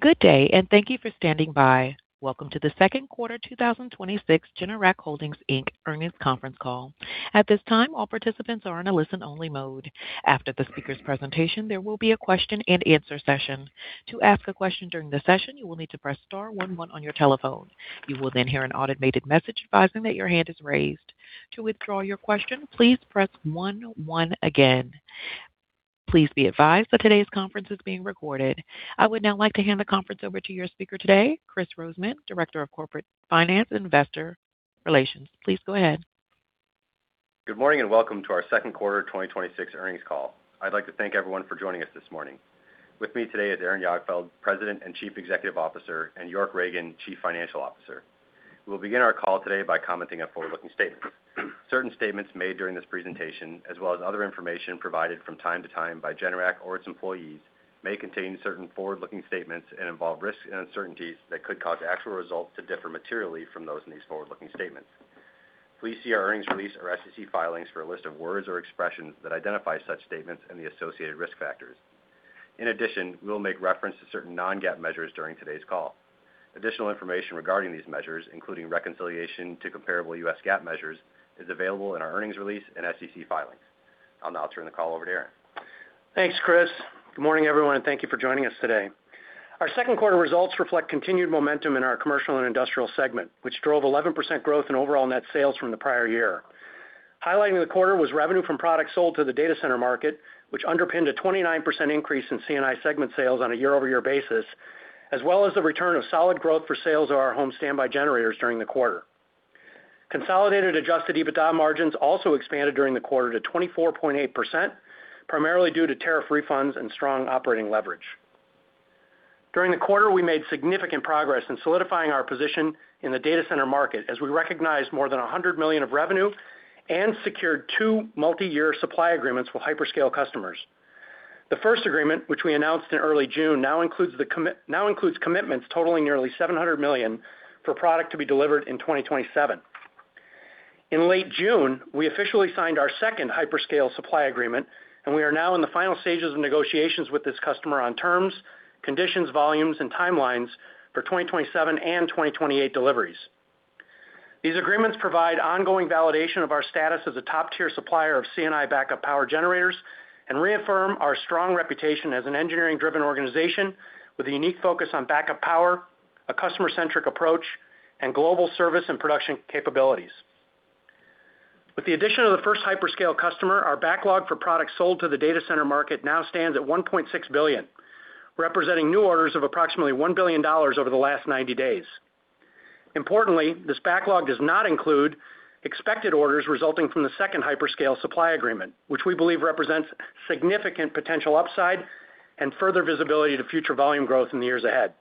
Good day. Thank you for standing by. Welcome to the second quarter 2026 Generac Holdings Inc. Earnings Conference Call. At this time, all participants are in a listen-only mode. After the speaker's presentation, there will be a question-and-answer session. To ask a question during the session, you will need to press star one one on your telephone. You will hear an automated message advising that your hand is raised. To withdraw your question, please press one one again. Please be advised that today's conference is being recorded. I would now like to hand the conference over to your speaker today, Kris Rosemann, Director of Corporate Finance and Investor Relations. Please go ahead. Good morning. Welcome to our second quarter 2026 earnings call. I'd like to thank everyone for joining us this morning. With me today is Aaron Jagdfeld, President and Chief Executive Officer, and York Ragen, Chief Financial Officer. We'll begin our call today by commenting on forward-looking statements. Certain statements made during this presentation, as well as other information provided from time to time by Generac or its employees, may contain certain forward-looking statements and involve risks and uncertainties that could cause actual results to differ materially from those in these forward-looking statements. Please see our earnings release or SEC filings for a list of words or expressions that identify such statements and the associated risk factors. In addition, we'll make reference to certain non-GAAP measures during today's call. Additional information regarding these measures, including reconciliation to comparable US GAAP measures, is available in our earnings release and SEC filings. I'll now turn the call over to Aaron. Thanks, Chris. Good morning, everyone. Thank you for joining us today. Our second quarter results reflect continued momentum in our commercial and industrial segment, which drove 11% growth in overall net sales from the prior year. Highlighting the quarter was revenue from products sold to the data center market, which underpinned a 29% increase in C&I segment sales on a year-over-year basis, as well as the return of solid growth for sales of our home standby generators during the quarter. Consolidated adjusted EBITDA margins also expanded during the quarter to 24.8%, primarily due to tariff refunds and strong operating leverage. During the quarter, we made significant progress in solidifying our position in the data center market as we recognized more than $100 million of revenue and secured two multi-year supply agreements with hyperscale customers. The first agreement, which we announced in early June, now includes commitments totaling nearly $700 million for product to be delivered in 2027. We are now in the final stages of negotiations with this customer on terms, conditions, volumes, and timelines for 2027 and 2028 deliveries. These agreements provide ongoing validation of our status as a top-tier supplier of C&I backup power generators and reaffirm our strong reputation as an engineering-driven organization with a unique focus on backup power, a customer-centric approach, and global service and production capabilities. With the addition of the first hyperscale customer, our backlog for products sold to the data center market now stands at $1.6 billion, representing new orders of approximately $1 billion over the last 90 days. Importantly, this backlog does not include expected orders resulting from the second hyperscale supply agreement, which we believe represents significant potential upside and further visibility to future volume growth in the years ahead.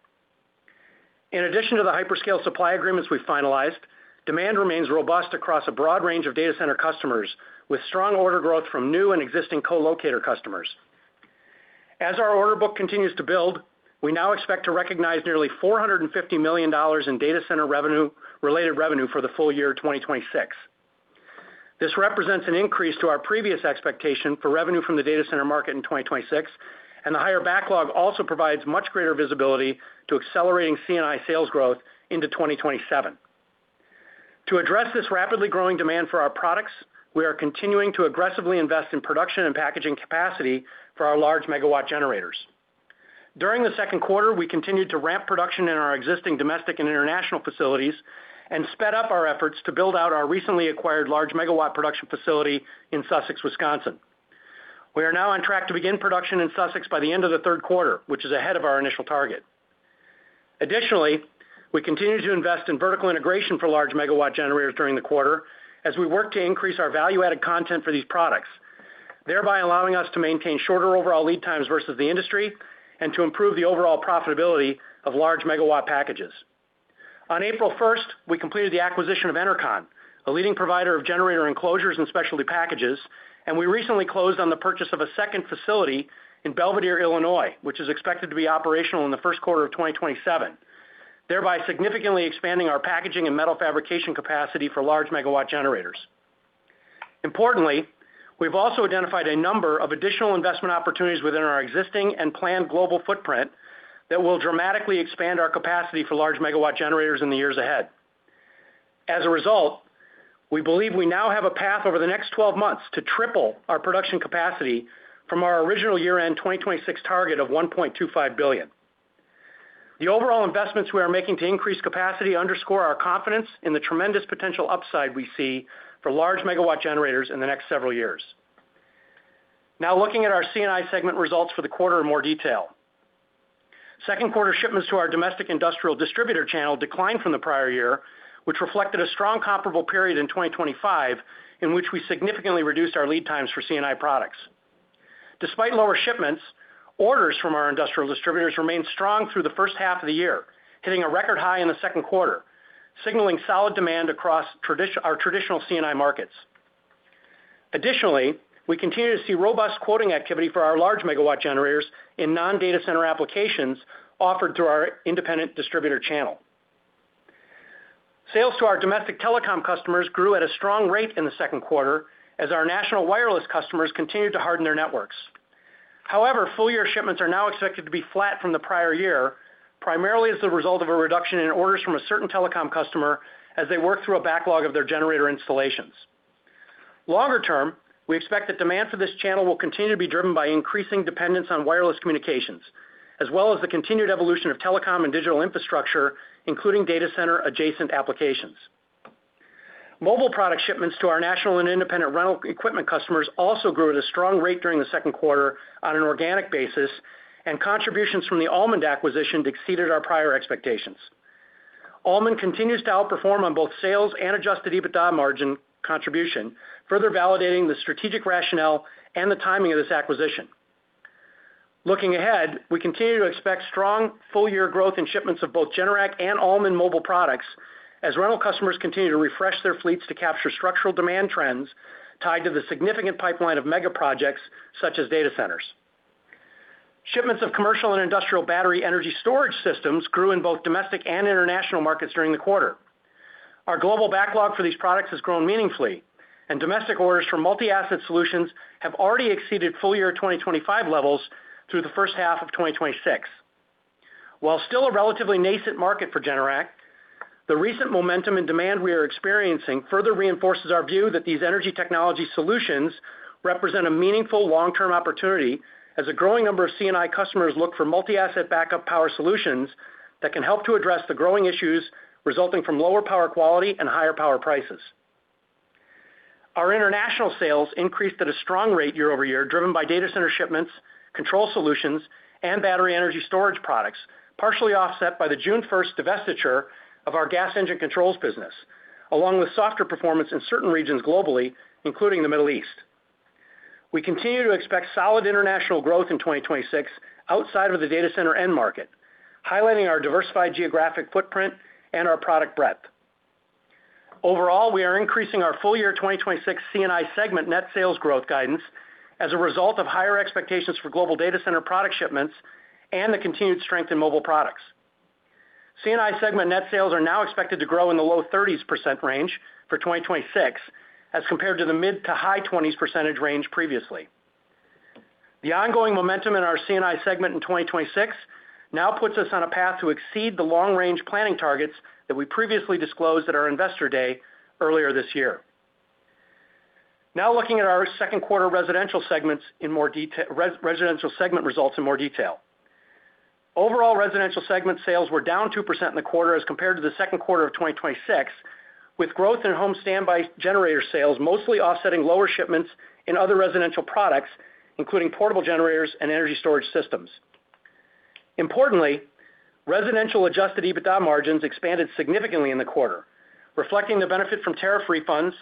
In addition to the hyperscale supply agreements we finalized, demand remains robust across a broad range of data center customers, with strong order growth from new and existing co-locator customers. As our order book continues to build, we now expect to recognize nearly $450 million in data center revenue, related revenue for the full year 2026. This represents an increase to our previous expectation for revenue from the data center market in 2026, and the higher backlog also provides much greater visibility to accelerating C&I sales growth into 2027. To address this rapidly growing demand for our products, we are continuing to aggressively invest in production and packaging capacity for our large megawatt generators. During the second quarter, we continued to ramp production in our existing domestic and international facilities and sped up our efforts to build out our recently acquired large megawatt production facility in Sussex, Wisconsin. We are now on track to begin production in Sussex by the end of the third quarter, which is ahead of our initial target. Additionally, we continue to invest in vertical integration for large megawatt generators during the quarter as we work to increase our value-added content for these products, thereby allowing us to maintain shorter overall lead times versus the industry and to improve the overall profitability of large megawatt packages. On April 1st, we completed the acquisition of Enercon, a leading provider of generator enclosures and specialty packages. We recently closed on the purchase of a second facility in Belvidere, Illinois, which is expected to be operational in the first quarter of 2027, thereby significantly expanding our packaging and metal fabrication capacity for large megawatt generators. Importantly, we've also identified a number of additional investment opportunities within our existing and planned global footprint that will dramatically expand our capacity for large megawatt generators in the years ahead. As a result, we believe we now have a path over the next 12 months to triple our production capacity from our original year-end 2026 target of $1.25 billion. The overall investments we are making to increase capacity underscore our confidence in the tremendous potential upside we see for large megawatt generators in the next several years. Looking at our C&I segment results for the quarter in more detail. Second quarter shipments to our domestic industrial distributor channel declined from the prior year, which reflected a strong comparable period in 2025, in which we significantly reduced our lead times for C&I products. Despite lower shipments, orders from our industrial distributors remained strong through the first half of the year, hitting a record high in the second quarter, signaling solid demand across our traditional C&I markets. Additionally, we continue to see robust quoting activity for our large megawatt generators in non-data center applications offered through our independent distributor channel. Sales to our domestic telecom customers grew at a strong rate in the second quarter as our national wireless customers continued to harden their networks. Full-year shipments are now expected to be flat from the prior year, primarily as the result of a reduction in orders from a certain telecom customer as they work through a backlog of their generator installations. Longer term, we expect that demand for this channel will continue to be driven by increasing dependence on wireless communications, as well as the continued evolution of telecom and digital infrastructure, including data center adjacent applications. Mobile product shipments to our national and independent rental equipment customers also grew at a strong rate during the second quarter on an organic basis, and contributions from the Allmand acquisition exceeded our prior expectations. Allmand continues to outperform on both sales and adjusted EBITDA margin contribution, further validating the strategic rationale and the timing of this acquisition. Looking ahead, we continue to expect strong full-year growth in shipments of both Generac and Allmand mobile products as rental customers continue to refresh their fleets to capture structural demand trends tied to the significant pipeline of mega projects such as data centers. Shipments of commercial and industrial battery energy storage systems grew in both domestic and international markets during the quarter. Our global backlog for these products has grown meaningfully, and domestic orders for multi-asset solutions have already exceeded full year 2025 levels through the first half of 2026. While still a relatively nascent market for Generac, the recent momentum and demand we are experiencing further reinforces our view that these energy technology solutions represent a meaningful long-term opportunity as a growing number of C&I customers look for multi-asset backup power solutions that can help to address the growing issues resulting from lower power quality and higher power prices. Our international sales increased at a strong rate year-over-year, driven by data center shipments, control solutions, and battery energy storage products, partially offset by the June 1st divestiture of our gas engine controls business, along with softer performance in certain regions globally, including the Middle East. We continue to expect solid international growth in 2026 outside of the data center end market, highlighting our diversified geographic footprint and our product breadth. We are increasing our full year 2026 C&I segment net sales growth guidance as a result of higher expectations for global data center product shipments and the continued strength in mobile products. C&I segment net sales are now expected to grow in the low 30s% range for 2026 as compared to the mid to high 20s% range previously. The ongoing momentum in our C&I segment in 2026 now puts us on a path to exceed the long-range planning targets that we previously disclosed at our investor day earlier this year. Looking at our second quarter residential segment results in more detail. Overall residential segment sales were down 2% in the quarter as compared to the second quarter of 2026, with growth in home standby generator sales mostly offsetting lower shipments in other residential products, including portable generators and energy storage systems. Importantly, residential adjusted EBITDA margins expanded significantly in the quarter, reflecting the benefit from tariff refunds,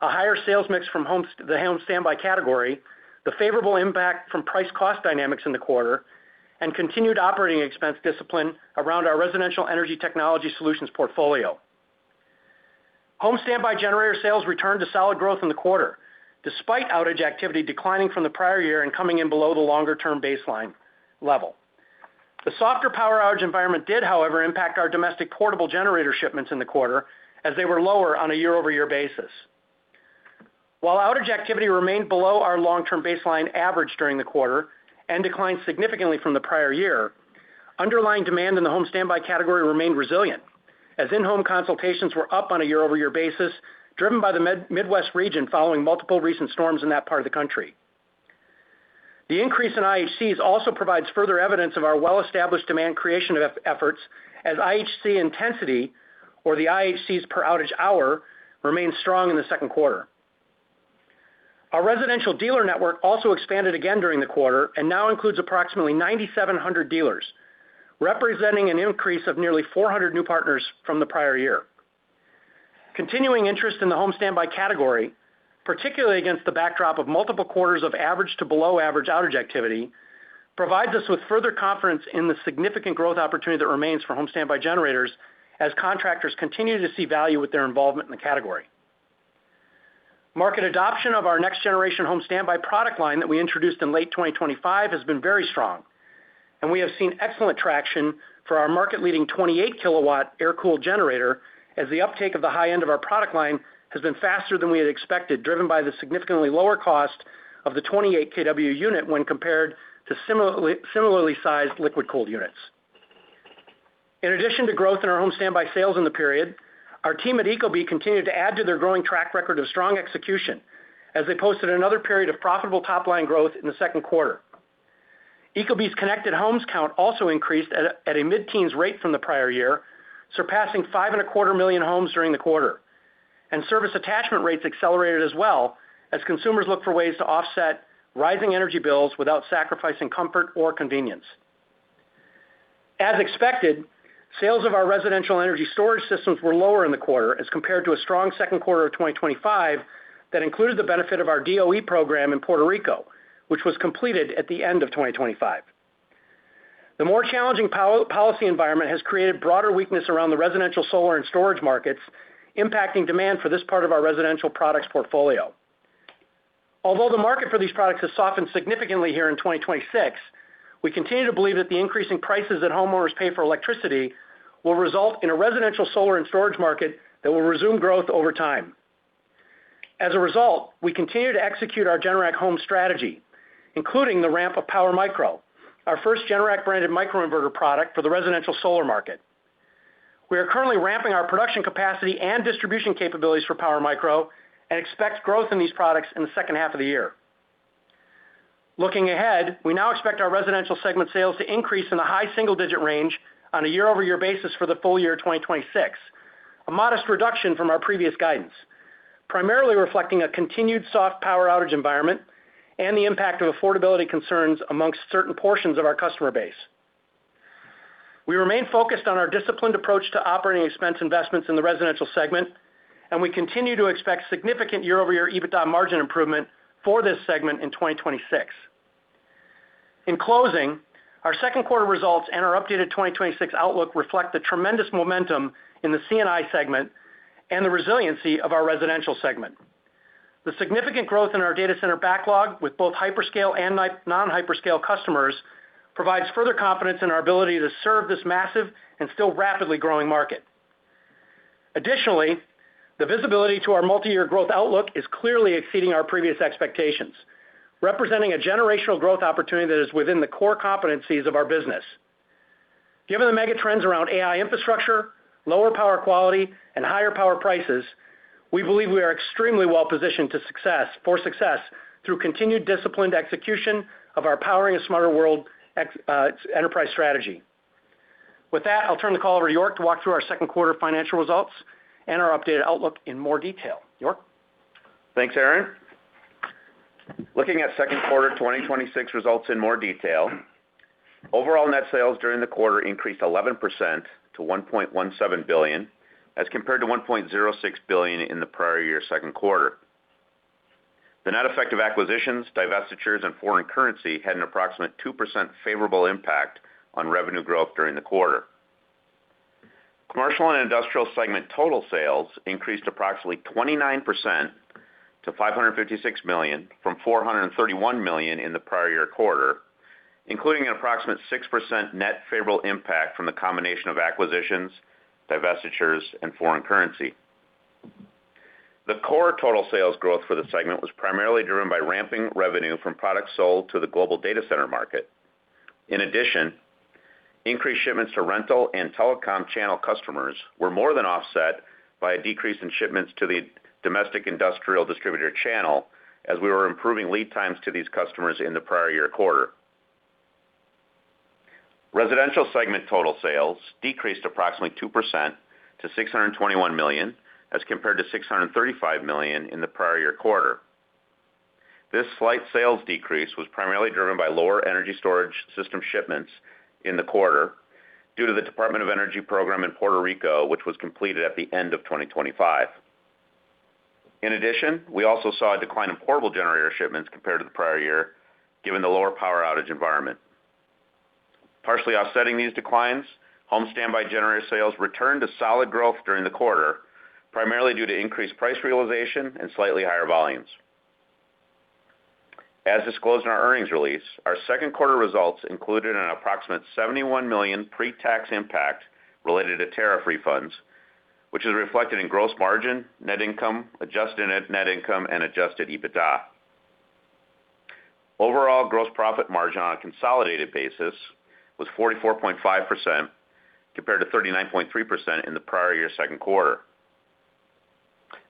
a higher sales mix from the home standby category, the favorable impact from price cost dynamics in the quarter, and continued operating expense discipline around our residential energy technology solutions portfolio. Home standby generator sales returned to solid growth in the quarter, despite outage activity declining from the prior year and coming in below the longer-term baseline level. The softer power outage environment did, however, impact our domestic portable generator shipments in the quarter as they were lower on a year-over-year basis. While outage activity remained below our long-term baseline average during the quarter and declined significantly from the prior year, underlying demand in the home standby category remained resilient, as in-home consultations were up on a year-over-year basis, driven by the Midwest region following multiple recent storms in that part of the country. The increase in IHCs also provides further evidence of our well-established demand creation efforts as IHC intensity or the IHCs per outage hour remains strong in the second quarter. Our residential dealer network also expanded again during the quarter and now includes approximately 9,700 dealers, representing an increase of nearly 400 new partners from the prior year. Continuing interest in the home standby category, particularly against the backdrop of multiple quarters of average to below average outage activity, provides us with further confidence in the significant growth opportunity that remains for home standby generators as contractors continue to see value with their involvement in the category. Market adoption of our next generation home standby product line that we introduced in late 2025 has been very strong, and we have seen excellent traction for our market leading 28 kW air-cooled generator as the uptake of the high end of our product line has been faster than we had expected, driven by the significantly lower cost of the 28 kW unit when compared to similarly sized liquid cooled units. In addition to growth in our home standby sales in the period, our team at ecobee continued to add to their growing track record of strong execution as they posted another period of profitable top-line growth in the second quarter. ecobee's connected homes count also increased at a mid-teens rate from the prior year, surpassing five and a quarter million homes during the quarter, and service attachment rates accelerated as well as consumers look for ways to offset rising energy bills without sacrificing comfort or convenience. As expected, sales of our residential energy storage systems were lower in the quarter as compared to a strong second quarter of 2025 that included the benefit of our DOE program in Puerto Rico, which was completed at the end of 2025. The more challenging policy environment has created broader weakness around the residential solar and storage markets, impacting demand for this part of our residential products portfolio. Although the market for these products has softened significantly here in 2026, we continue to believe that the increasing prices that homeowners pay for electricity will result in a residential solar and storage market that will resume growth over time. As a result, we continue to execute our Generac home strategy, including the ramp of PWRmicro, our first Generac-branded microinverter product for the residential solar market. We are currently ramping our production capacity and distribution capabilities for PWRmicro and expect growth in these products in the second half of the year. Looking ahead, we now expect our residential segment sales to increase in a high single-digit range on a year-over-year basis for the full year 2026. A modest reduction from our previous guidance, primarily reflecting a continued soft power outage environment and the impact of affordability concerns amongst certain portions of our customer base. We remain focused on our disciplined approach to operating expense investments in the residential segment. We continue to expect significant year-over-year EBITDA margin improvement for this segment in 2026. In closing, our second quarter results and our updated 2026 outlook reflect the tremendous momentum in the C&I segment and the resiliency of our residential segment. The significant growth in our data center backlog with both hyperscale and non-hyperscale customers provides further confidence in our ability to serve this massive and still rapidly growing market. Additionally, the visibility to our multi-year growth outlook is clearly exceeding our previous expectations, representing a generational growth opportunity that is within the core competencies of our business. Given the mega trends around AI infrastructure, lower power quality, and higher power prices, we believe we are extremely well positioned for success through continued disciplined execution of our Powering a Smarter World enterprise strategy. With that, I'll turn the call over to York to walk through our second quarter financial results and our updated outlook in more detail. York? Thanks, Aaron. Looking at second quarter 2026 results in more detail, overall net sales during the quarter increased 11% to $1.17 billion, as compared to $1.06 billion in the prior year second quarter. The net effect of acquisitions, divestitures, and foreign currency had an approximate 2% favorable impact on revenue growth during the quarter. Commercial and industrial segment total sales increased approximately 29% to $556 million from $431 million in the prior year quarter, including an approximate 6% net favorable impact from the combination of acquisitions, divestitures, and foreign currency. The core total sales growth for the segment was primarily driven by ramping revenue from products sold to the global data center market. Increased shipments to rental and telecom channel customers were more than offset by a decrease in shipments to the domestic industrial distributor channel, as we were improving lead times to these customers in the prior year quarter. Residential segment total sales decreased approximately 2% to $621 million as compared to $635 million in the prior year quarter. This slight sales decrease was primarily driven by lower energy storage system shipments in the quarter due to the Department of Energy program in Puerto Rico, which was completed at the end of 2025. We also saw a decline in portable generator shipments compared to the prior year, given the lower power outage environment. Partially offsetting these declines, home standby generator sales returned to solid growth during the quarter, primarily due to increased price realization and slightly higher volumes. As disclosed in our earnings release, our second quarter results included an approximate $71 million pre-tax impact related to tariff refunds, which is reflected in gross margin, net income, adjusted net income, and adjusted EBITDA. Overall gross profit margin on a consolidated basis was 44.5% compared to 39.3% in the prior year second quarter.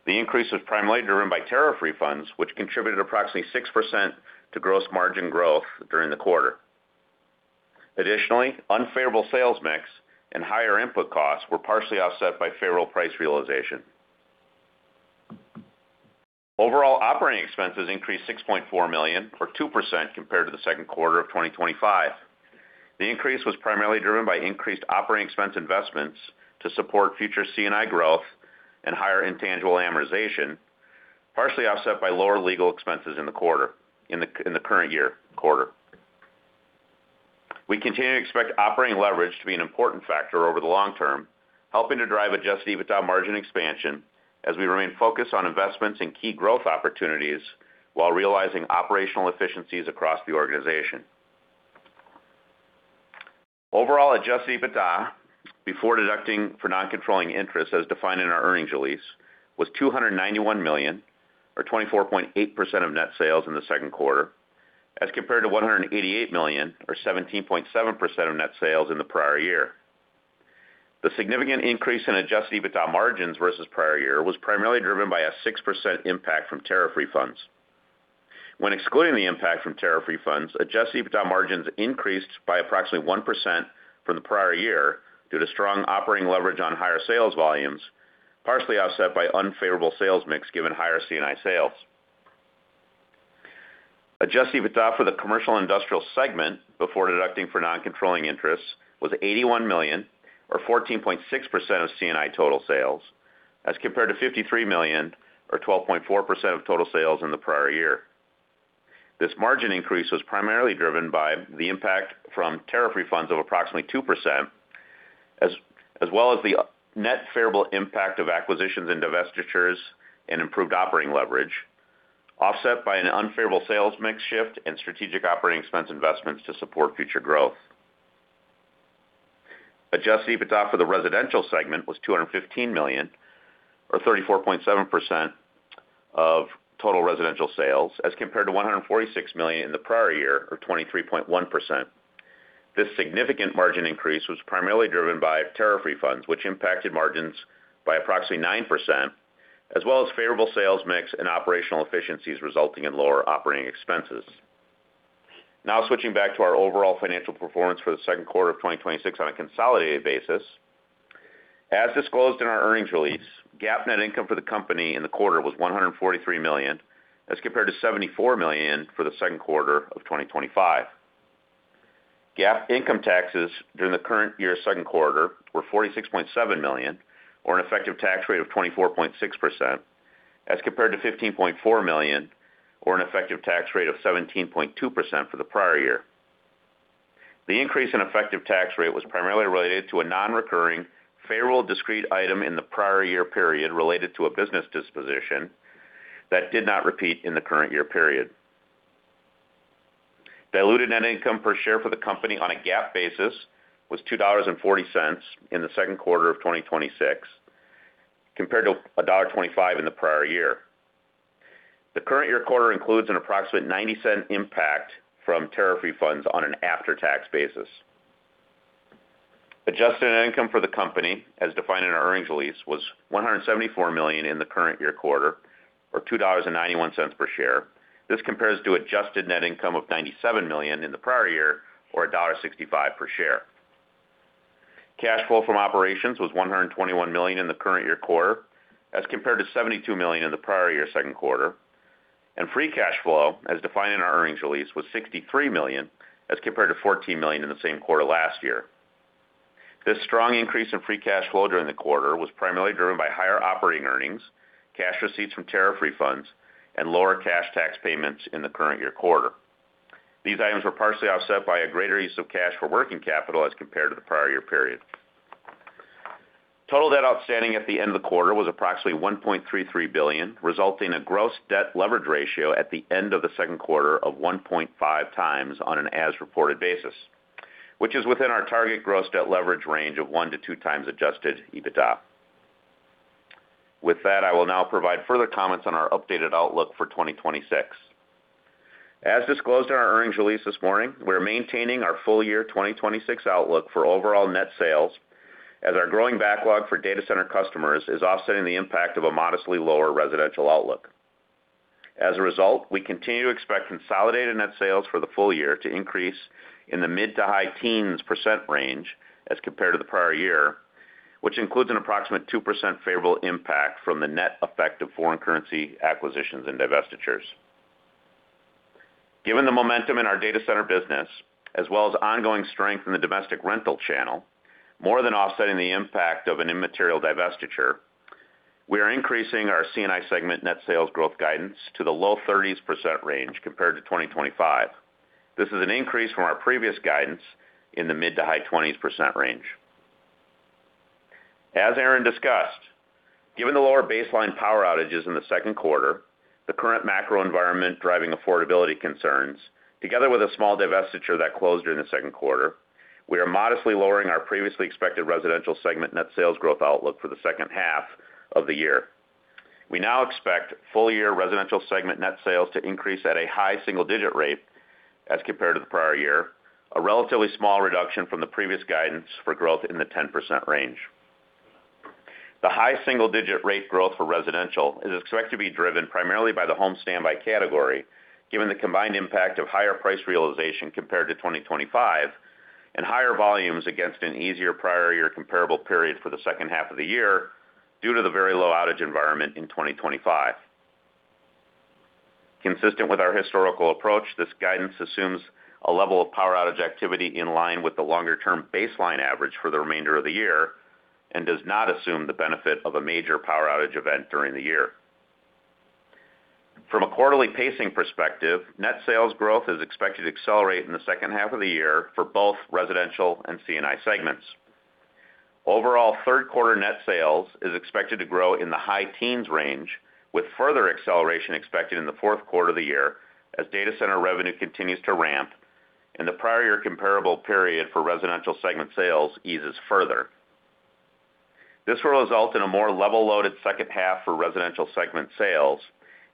The increase was primarily driven by tariff refunds, which contributed approximately 6% to gross margin growth during the quarter. Unfavorable sales mix and higher input costs were partially offset by favorable price realization. Overall operating expenses increased $6.4 million or 2% compared to the second quarter of 2025. The increase was primarily driven by increased operating expense investments to support future C&I growth and higher intangible amortization, partially offset by lower legal expenses in the current year quarter. We continue to expect operating leverage to be an important factor over the long term, helping to drive adjusted EBITDA margin expansion as we remain focused on investments in key growth opportunities while realizing operational efficiencies across the organization. Overall adjusted EBITDA, before deducting for non-controlling interest as defined in our earnings release, was $291 million or 24.8% of net sales in the second quarter as compared to $188 million or 17.7% of net sales in the prior year. The significant increase in adjusted EBITDA margins versus prior year was primarily driven by a 6% impact from tariff refunds. When excluding the impact from tariff refunds, adjusted EBITDA margins increased by approximately 1% from the prior year due to strong operating leverage on higher sales volumes, partially offset by unfavorable sales mix given higher C&I sales. Adjusted EBITDA for the commercial industrial segment before deducting for non-controlling interests was $81 million or 14.6% of C&I total sales as compared to $53 million or 12.4% of total sales in the prior year. This margin increase was primarily driven by the impact from tariff refunds of approximately 2%, as well as the net favorable impact of acquisitions and divestitures and improved operating leverage, offset by an unfavorable sales mix shift and strategic operating expense investments to support future growth. Adjusted EBITDA for the residential segment was $215 million or 34.7% of total residential sales, as compared to $146 million in the prior year or 23.1%. This significant margin increase was primarily driven by tariff refunds, which impacted margins by approximately 9%, as well as favorable sales mix and operational efficiencies resulting in lower operating expenses. Switching back to our overall financial performance for the second quarter of 2026 on a consolidated basis. As disclosed in our earnings release, GAAP net income for the company in the quarter was $143 million as compared to $74 million for the second quarter of 2025. GAAP income taxes during the current year's second quarter were $46.7 million, or an effective tax rate of 24.6%, as compared to $15.4 million, or an effective tax rate of 17.2% for the prior year. The increase in effective tax rate was primarily related to a non-recurring favorable discrete item in the prior year period related to a business disposition that did not repeat in the current year period. Diluted net income per share for the company on a GAAP basis was $2.40 in the second quarter of 2026, compared to $1.25 in the prior year. The current year quarter includes an approximate $0.90 impact from tariff refunds on an after-tax basis. Adjusted net income for the company, as defined in our earnings release, was $174 million in the current year quarter, or $2.91 per share. This compares to adjusted net income of $97 million in the prior year, or $1.65 per share. Cash flow from operations was $121 million in the current year quarter as compared to $72 million in the prior year second quarter, and free cash flow, as defined in our earnings release, was $63 million as compared to $14 million in the same quarter last year. This strong increase in free cash flow during the quarter was primarily driven by higher operating earnings, cash receipts from tariff refunds, and lower cash tax payments in the current year quarter. These items were partially offset by a greater use of cash for working capital as compared to the prior year period. Total debt outstanding at the end of the quarter was approximately $1.33 billion, resulting in a gross debt leverage ratio at the end of the second quarter of 1.5 times on an as-reported basis, which is within our target gross debt leverage range of one to two times adjusted EBITDA. With that, I will now provide further comments on our updated outlook for 2026. As disclosed in our earnings release this morning, we're maintaining our full year 2026 outlook for overall net sales as our growing backlog for data center customers is offsetting the impact of a modestly lower residential outlook. As a result, we continue to expect consolidated net sales for the full year to increase in the mid to high teens percent range as compared to the prior year, which includes an approximate 2% favorable impact from the net effect of foreign currency acquisitions and divestitures. Given the momentum in our data center business, as well as ongoing strength in the domestic rental channel, more than offsetting the impact of an immaterial divestiture, we are increasing our C&I segment net sales growth guidance to the low 30s% range compared to 2025. This is an increase from our previous guidance in the mid to high 20s% range. As Aaron discussed, given the lower baseline power outages in the second quarter, the current macro environment driving affordability concerns, together with a small divestiture that closed during the second quarter, we are modestly lowering our previously expected residential segment net sales growth outlook for the second half of the year. We now expect full year residential segment net sales to increase at a high single-digit rate as compared to the prior year, a relatively small reduction from the previous guidance for growth in the 10% range. The high single-digit rate growth for residential is expected to be driven primarily by the home standby category, given the combined impact of higher price realization compared to 2025 and higher volumes against an easier prior year comparable period for the second half of the year due to the very low outage environment in 2025. Consistent with our historical approach, this guidance assumes a level of power outage activity in line with the longer-term baseline average for the remainder of the year and does not assume the benefit of a major power outage event during the year. From a quarterly pacing perspective, net sales growth is expected to accelerate in the second half of the year for both residential and C&I segments. Overall, third quarter net sales is expected to grow in the high teens range, with further acceleration expected in the fourth quarter of the year as data center revenue continues to ramp and the prior year comparable period for residential segment sales eases further. This will result in a more level-loaded second half for residential segment sales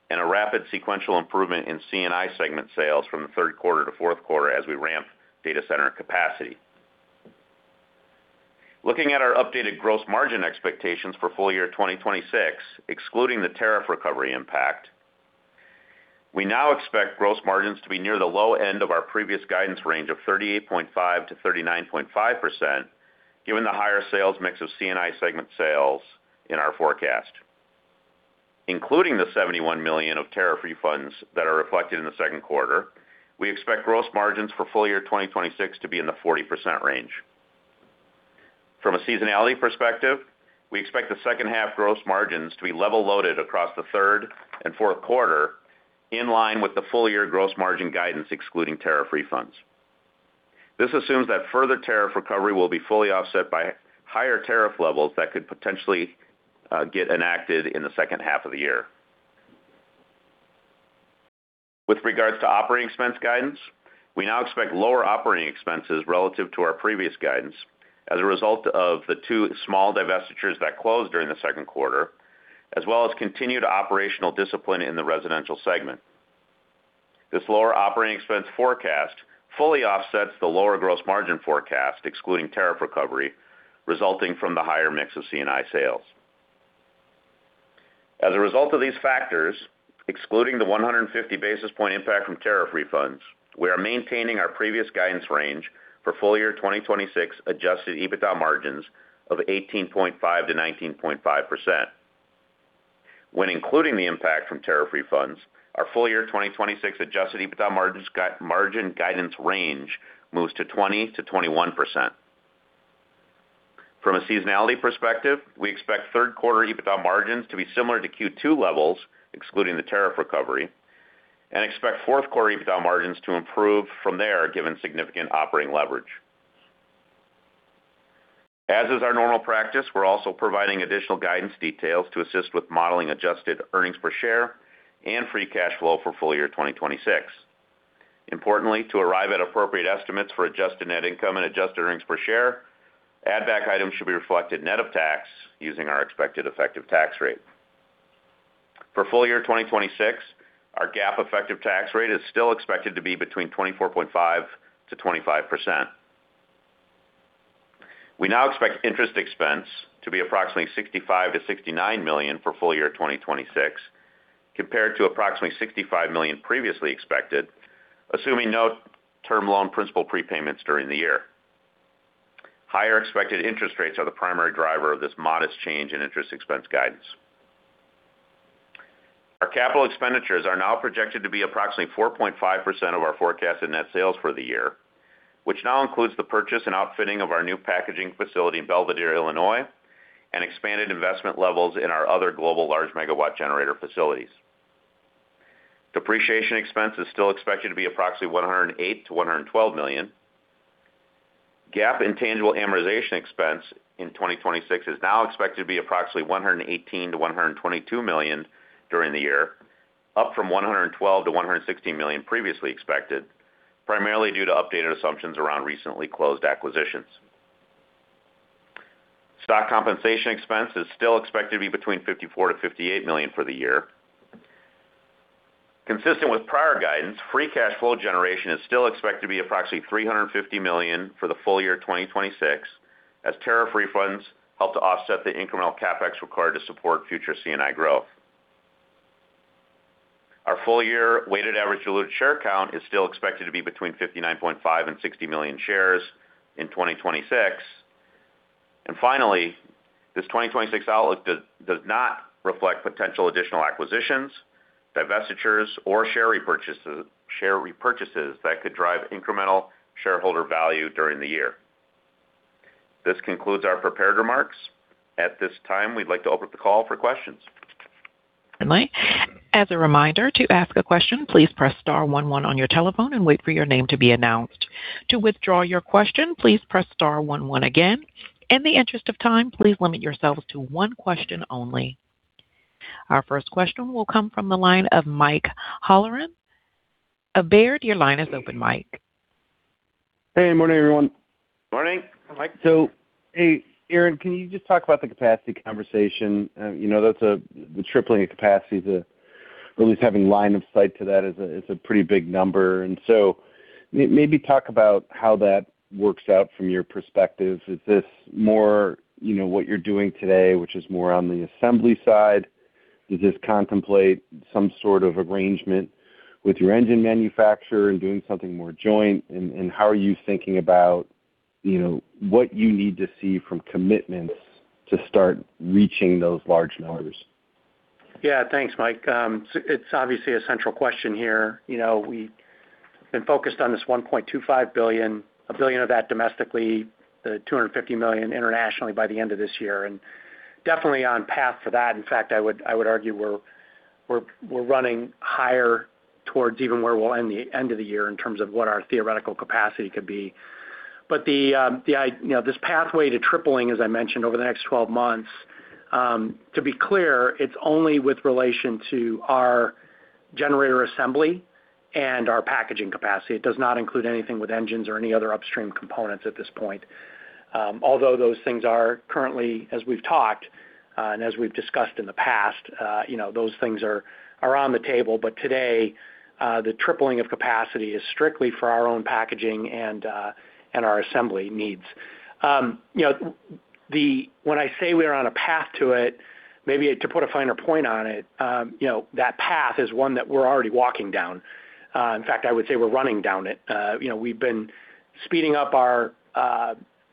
and a rapid sequential improvement in C&I segment sales from the third quarter to fourth quarter as we ramp data center capacity. Looking at our updated gross margin expectations for full year 2026, excluding the tariff recovery impact, we now expect gross margins to be near the low end of our previous guidance range of 38.5%-39.5%, given the higher sales mix of C&I segment sales in our forecast. Including the $71 million of tariff refunds that are reflected in the second quarter, we expect gross margins for full year 2026 to be in the 40% range. From a seasonality perspective, we expect the second half gross margins to be level loaded across the third and fourth quarter, in line with the full-year gross margin guidance excluding tariff refunds. This assumes that further tariff recovery will be fully offset by higher tariff levels that could potentially get enacted in the second half of the year. With regards to operating expense guidance, we now expect lower operating expenses relative to our previous guidance as a result of the two small divestitures that closed during the second quarter, as well as continued operational discipline in the residential segment. This lower operating expense forecast fully offsets the lower gross margin forecast, excluding tariff recovery, resulting from the higher mix of C&I sales. As a result of these factors, excluding the 150-basis point impact from tariff refunds, we are maintaining our previous guidance range for full-year 2026 adjusted EBITDA margins of 18.5%-19.5%. When including the impact from tariff refunds, our full-year 2026 adjusted EBITDA margin guidance range moves to 20%-21%. From a seasonality perspective, we expect third quarter EBITDA margins to be similar to Q2 levels, excluding the tariff recovery, and expect fourth quarter EBITDA margins to improve from there, given significant operating leverage. As is our normal practice, we are also providing additional guidance details to assist with modeling adjusted earnings per share and free cash flow for full-year 2026. Importantly, to arrive at appropriate estimates for adjusted net income and adjusted earnings per share, add-back items should be reflected net of tax using our expected effective tax rate. For full-year 2026, our GAAP effective tax rate is still expected to be between 24.5%-25%. We now expect interest expense to be approximately $65 million-$69 million for full-year 2026, compared to approximately $65 million previously expected, assuming no term loan principal prepayments during the year. Higher expected interest rates are the primary driver of this modest change in interest expense guidance. Our capital expenditures are now projected to be approximately 4.5% of our forecasted net sales for the year, which now includes the purchase and outfitting of our new packaging facility in Belvidere, Illinois, and expanded investment levels in our other global large megawatt generator facilities. Depreciation expense is still expected to be approximately $108 million-$112 million. GAAP intangible amortization expense in 2026 is now expected to be approximately $118 million-$122 million during the year, up from $112 million-$116 million previously expected, primarily due to updated assumptions around recently closed acquisitions. Stock compensation expense is still expected to be between $54 million-$58 million for the year. Consistent with prior guidance, free cash flow generation is still expected to be approximately $350 million for the full year 2026 as tariff refunds help to offset the incremental CapEx required to support future C&I growth. Our full-year weighted average diluted share count is still expected to be between 59.5 million and 60 million shares in 2026. Finally, this 2026 outlook does not reflect potential additional acquisitions, divestitures, or share repurchases that could drive incremental shareholder value during the year. This concludes our prepared remarks. At this time, we would like to open the call for questions. As a reminder, to ask a question, please press star one one on your telephone and wait for your name to be announced. To withdraw your question, please press star one one again. In the interest of time, please limit yourselves to one question only. Our first question will come from the line of Mike Halloran of Baird. Your line is open, Mike. Hey, morning, everyone. Morning. Mike. Hey, Aaron, can you just talk about the capacity conversation? The tripling of capacity to at least having line of sight to that is a pretty big number. Maybe talk about how that works out from your perspective. Is this more what you're doing today, which is more on the assembly side? Does this contemplate some sort of arrangement with your engine manufacturer and doing something more joint? How are you thinking about what you need to see from commitments to start reaching those large numbers? Yeah. Thanks, Mike. It's obviously a central question here. We've been focused on this $1.25 billion, $1 billion of that domestically, the $250 million internationally by the end of this year. Definitely on path for that. In fact, I would argue we're running higher towards even where we'll end the end of the year in terms of what our theoretical capacity could be. This pathway to tripling, as I mentioned, over the next 12 months, to be clear, it's only with relation to our generator assembly and our packaging capacity. It does not include anything with engines or any other upstream components at this point. Although those things are currently, as we've talked and as we've discussed in the past, those things are on the table. Today, the tripling of capacity is strictly for our own packaging and our assembly needs. When I say we're on a path to it, maybe to put a finer point on it, that path is one that we're already walking down. In fact, I would say we're running down it. We've been speeding up our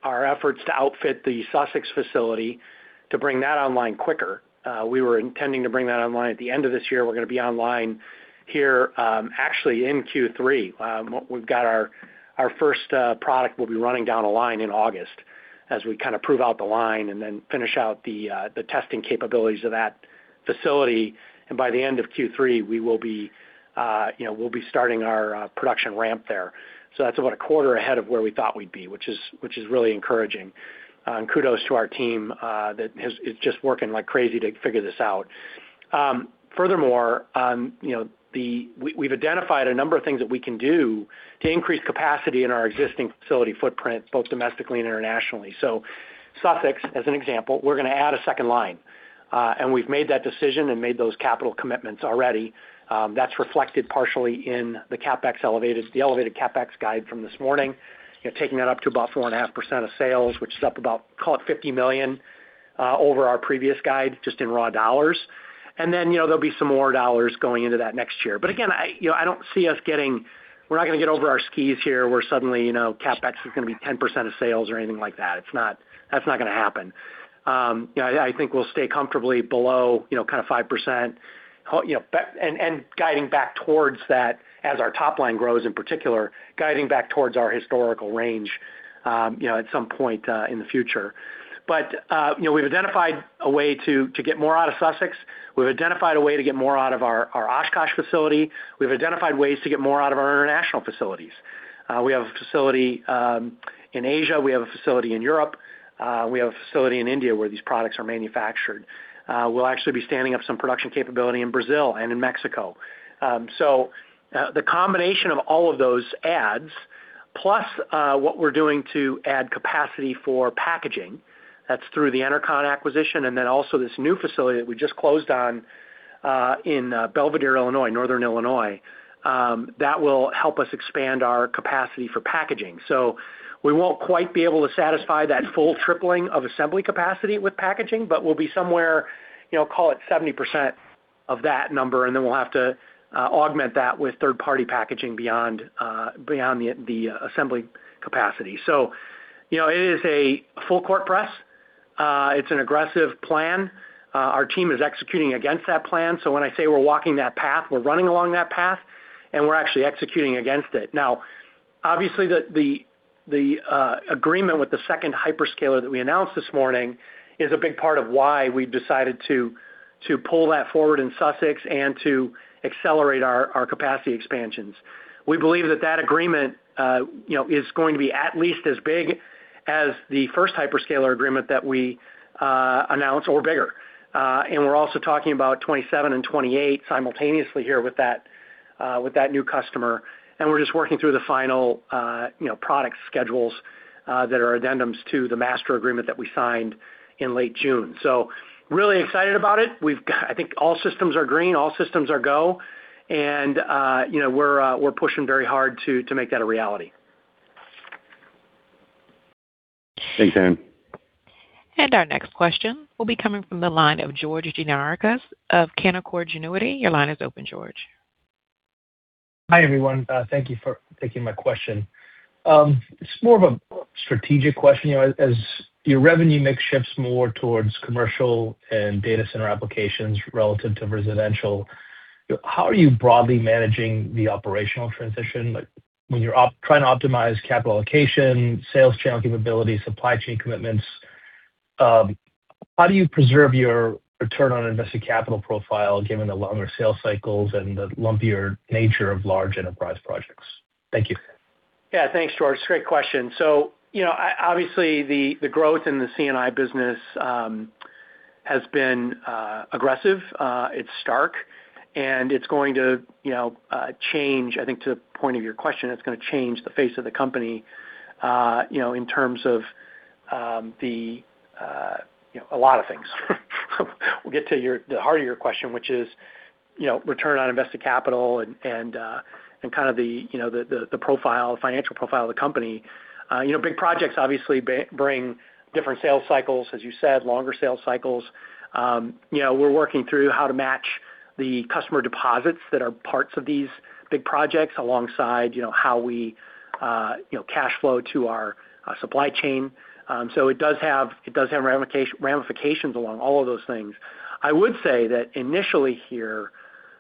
efforts to outfit the Sussex facility to bring that online quicker. We were intending to bring that online at the end of this year. We're going to be online here, actually, in Q3. We've got our first product will be running down a line in August as we kind of prove out the line and then finish out the testing capabilities of that facility. By the end of Q3, we'll be starting our production ramp there. That's about a quarter ahead of where we thought we'd be, which is really encouraging. Kudos to our team that is just working like crazy to figure this out. Furthermore, we've identified a number of things that we can do to increase capacity in our existing facility footprint, both domestically and internationally. Sussex, as an example, we're going to add a second line. We've made that decision and made those capital commitments already. That's reflected partially in the elevated CapEx guide from this morning, taking that up to about 4.5% of sales, which is up about, call it, $50 million over our previous guide, just in raw dollars. There'll be some more dollars going into that next year. We're not going to get over our skis here, where suddenly, CapEx is going to be 10% of sales or anything like that. That's not going to happen. I think we'll stay comfortably below 5%, guiding back towards that as our top line grows, in particular, guiding back towards our historical range at some point in the future. We've identified a way to get more out of Sussex. We've identified a way to get more out of our Oshkosh facility. We've identified ways to get more out of our international facilities. We have a facility in Asia. We have a facility in Europe. We have a facility in India where these products are manufactured. We'll actually be standing up some production capability in Brazil and in Mexico. The combination of all of those adds, plus what we're doing to add capacity for packaging, that's through the Enercon acquisition, and then also this new facility that we just closed on in Belvidere, Illinois, Northern Illinois, that will help us expand our capacity for packaging. We won't quite be able to satisfy that full tripling of assembly capacity with packaging, but we'll be somewhere, call it 70% of that number, and then we'll have to augment that with third-party packaging beyond the assembly capacity. It is a full-court press. It's an aggressive plan. Our team is executing against that plan. When I say we're walking that path, we're running along that path, and we're actually executing against it. Obviously, the agreement with the second hyperscaler that we announced this morning is a big part of why we've decided to pull that forward in Sussex and to accelerate our capacity expansions. We believe that that agreement is going to be at least as big as the first hyperscaler agreement that we announced, or bigger. We're also talking about 2027 and 2028 simultaneously here with that new customer. We're just working through the final product schedules that are addendums to the master agreement that we signed in late June. Really excited about it. I think all systems are green, all systems are go. We're pushing very hard to make that a reality. Thanks, Aaron. Our next question will be coming from the line of George Gianarikas of Canaccord Genuity. Your line is open, George. Hi, everyone. Thank you for taking my question. Just more of a strategic question. As your revenue mix shifts more towards commercial and data center applications relative to residential, how are you broadly managing the operational transition? Like, when you're trying to optimize capital allocation, sales channel capabilities, supply chain commitments, how do you preserve your return on invested capital profile given the longer sales cycles and the lumpier nature of large enterprise projects? Thank you. Yeah. Thanks, George. Great question. Obviously, the growth in the C&I business has been aggressive. It's stark, and it's going to change, I think to the point of your question, it's going to change the face of the company in terms of a lot of things. We'll get to the heart of your question, which is return on invested capital and kind of the financial profile of the company. Big projects obviously bring different sales cycles, as you said, longer sales cycles. We're working through how to match the customer deposits that are parts of these big projects alongside cash flow to our supply chain. It does have ramifications along all of those things. I would say that initially here,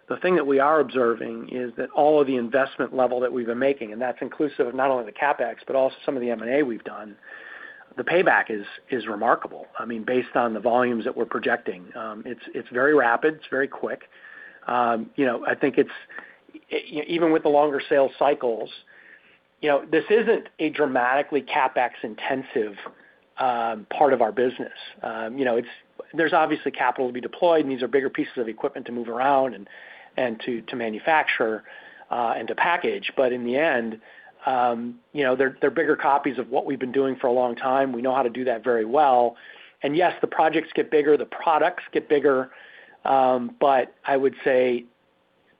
the thing that we are observing is that all of the investment level that we've been making, and that's inclusive of not only the CapEx, but also some of the M&A we've done, the payback is remarkable. Based on the volumes that we're projecting. It's very rapid. It's very quick. I think even with the longer sales cycles, this isn't a dramatically CapEx-intensive part of our business. There's obviously capital to be deployed, and these are bigger pieces of equipment to move around and to manufacture and to package. In the end, they're bigger copies of what we've been doing for a long time. We know how to do that very well. Yes, the projects get bigger, the products get bigger, but I would say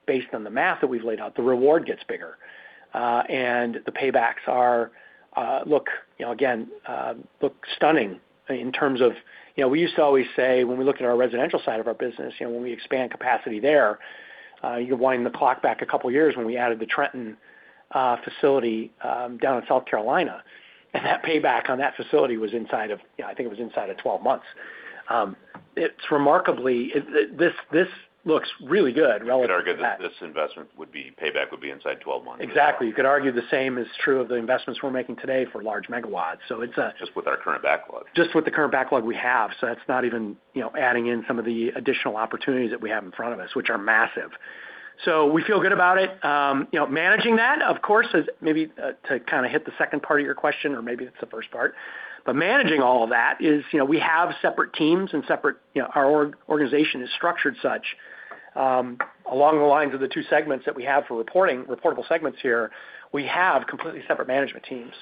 based on the math that we've laid out, the reward gets bigger. The paybacks look stunning in terms of we used to always say when we look at our residential side of our business, when we expand capacity there. You wind the clock back a couple years when we added the Trenton facility down in South Carolina, and that payback on that facility was, I think it was inside of 12 months. It's remarkable. This looks really good relative to that. You could argue that this investment payback would be inside 12 months. Exactly. You could argue the same is true of the investments we're making today for large megawatts. Just with our current backlog. Just with the current backlog we have. That's not even adding in some of the additional opportunities that we have in front of us, which are massive. We feel good about it. Managing that, of course, is maybe to kind of hit the second part of your question, or maybe it's the first part, but managing all of that is, we have separate teams and our organization is structured such. Along the lines of the two reportable segments that we have for reporting, reportable segments here, we have completely separate management teams.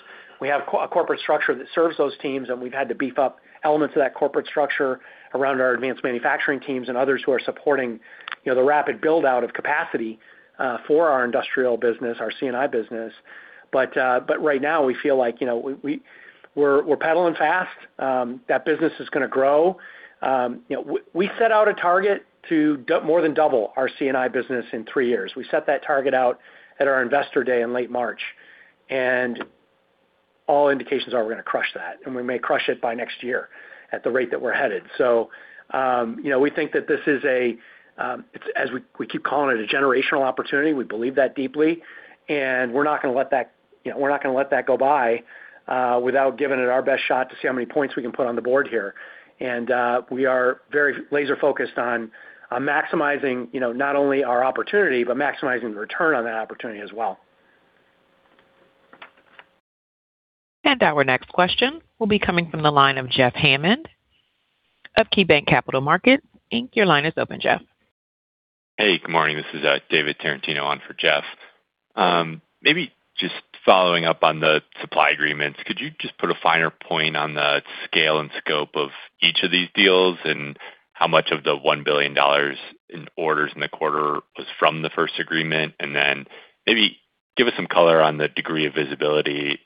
We have a corporate structure that serves those teams, and we've had to beef up elements of that corporate structure around our advanced manufacturing teams and others who are supporting the rapid build-out of capacity for our industrial business, our C&I business. Right now, we feel like we're pedaling fast. That business is going to grow. We set out a target to more than double our C&I business in three years. We set that target out at our investor day in late March, all indications are we're going to crush that, and we may crush it by next year at the rate that we're headed. We think that this is, as we keep calling it, a generational opportunity. We believe that deeply, we're not going to let that go by without giving it our best shot to see how many points we can put on the board here. We are very laser-focused on maximizing, not only our opportunity, but maximizing the return on that opportunity as well. Our next question will be coming from the line of Jeff Hammond of KeyBanc Capital Markets, Inc. Your line is open, Jeff. Hey, good morning. This is David Tarantino on for Jeff. Maybe just following up on the supply agreements, could you just put a finer point on the scale and scope of each of these deals, and how much of the $1 billion in orders in the quarter was from the first agreement? Maybe give us some color on the degree of visibility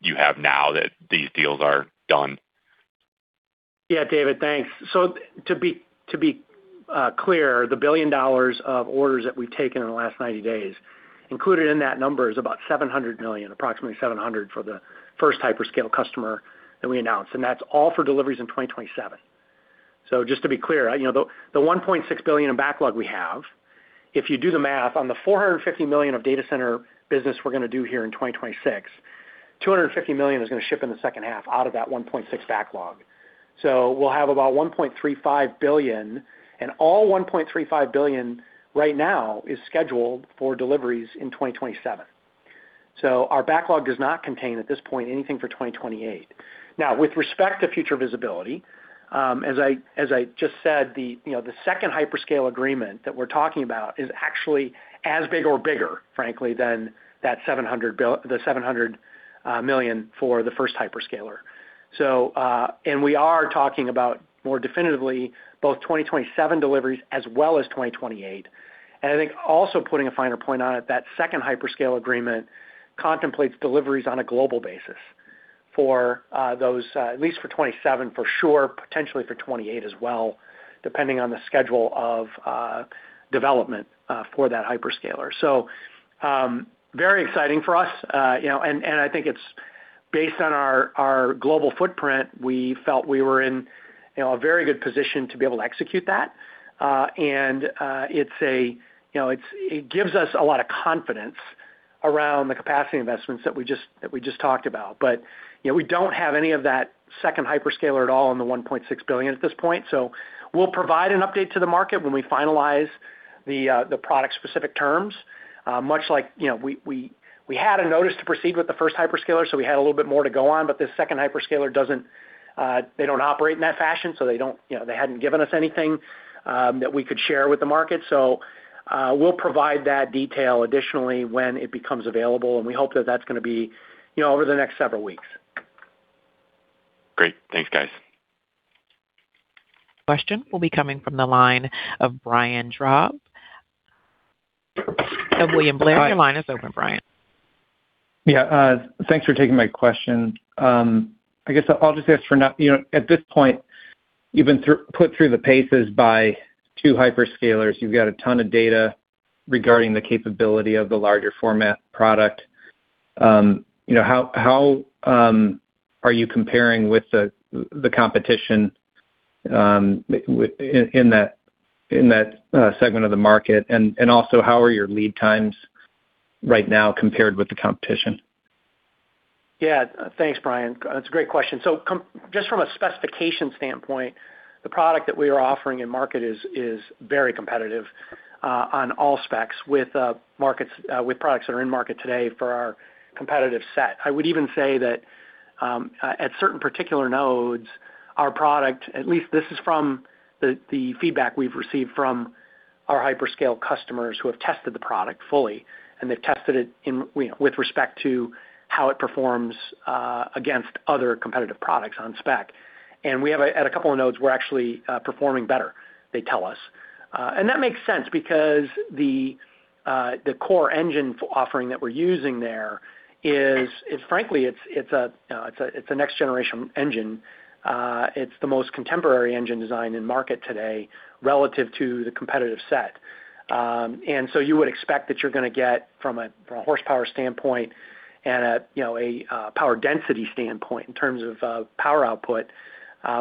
you have now that these deals are done. Yeah, David, thanks. To be clear, the $1 billion of orders that we've taken in the last 90 days, included in that number is about $700 million, approximately $700 million for the first hyperscale customer that we announced, and that's all for deliveries in 2027. Just to be clear, the $1.6 billion in backlog we have, if you do the math on the $450 million of data center business we're going to do here in 2026, $250 million is going to ship in the second half out of that $1.6 billion backlog. We'll have about $1.35 billion, and all $1.35 billion right now is scheduled for deliveries in 2027. Our backlog does not contain, at this point, anything for 2028. Now, with respect to future visibility, as I just said, the second hyperscale agreement that we're talking about is actually as big or bigger, frankly, than the $700 million for the first hyperscaler. We are talking about more definitively both 2027 deliveries as well as 2028. I think also putting a finer point on it, that second hyperscale agreement contemplates deliveries on a global basis for those, at least for 2027, for sure, potentially for 2028 as well, depending on the schedule of development for that hyperscaler. Very exciting for us. I think it's based on our global footprint, we felt we were in a very good position to be able to execute that. It gives us a lot of confidence around the capacity investments that we just talked about. We don't have any of that second hyperscaler at all in the $1.6 billion at this point. We'll provide an update to the market when we finalize the product-specific terms. Much like, we had a notice to proceed with the first hyperscaler, so we had a little bit more to go on, but this second hyperscaler, they don't operate in that fashion, they hadn't given us anything that we could share with the market. We'll provide that detail additionally when it becomes available, and we hope that that's going to be over the next several weeks. Great. Thanks, guys. Question will be coming from the line of Brian Drab of William Blair. Your line is open, Brian. Thanks for taking my question. I guess I'll just ask for now, at this point, you've been put through the paces by two hyperscalers. You've got a ton of data regarding the capability of the larger format product. How are you comparing with the competition in that segment of the market? How are your lead times right now compared with the competition? Thanks, Brian. That's a great question. Just from a specification standpoint, the product that we are offering in market is very competitive on all specs with products that are in market today for our competitive set. I would even say that at certain particular nodes, our product, at least this is from the feedback we've received from our hyperscale customers who have tested the product fully, and they've tested it with respect to how it performs against other competitive products on spec. At a couple of nodes, we're actually performing better, they tell us. That makes sense because the core engine offering that we're using there is, frankly, it's a next generation engine. It's the most contemporary engine design in market today relative to the competitive set. You would expect that you're going to get from a horsepower standpoint and a power density standpoint in terms of power output,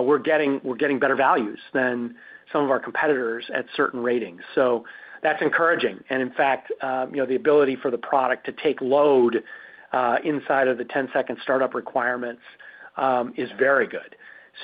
we're getting better values than some of our competitors at certain ratings. That's encouraging. In fact, the ability for the product to take load inside of the 10-second startup requirements is very good.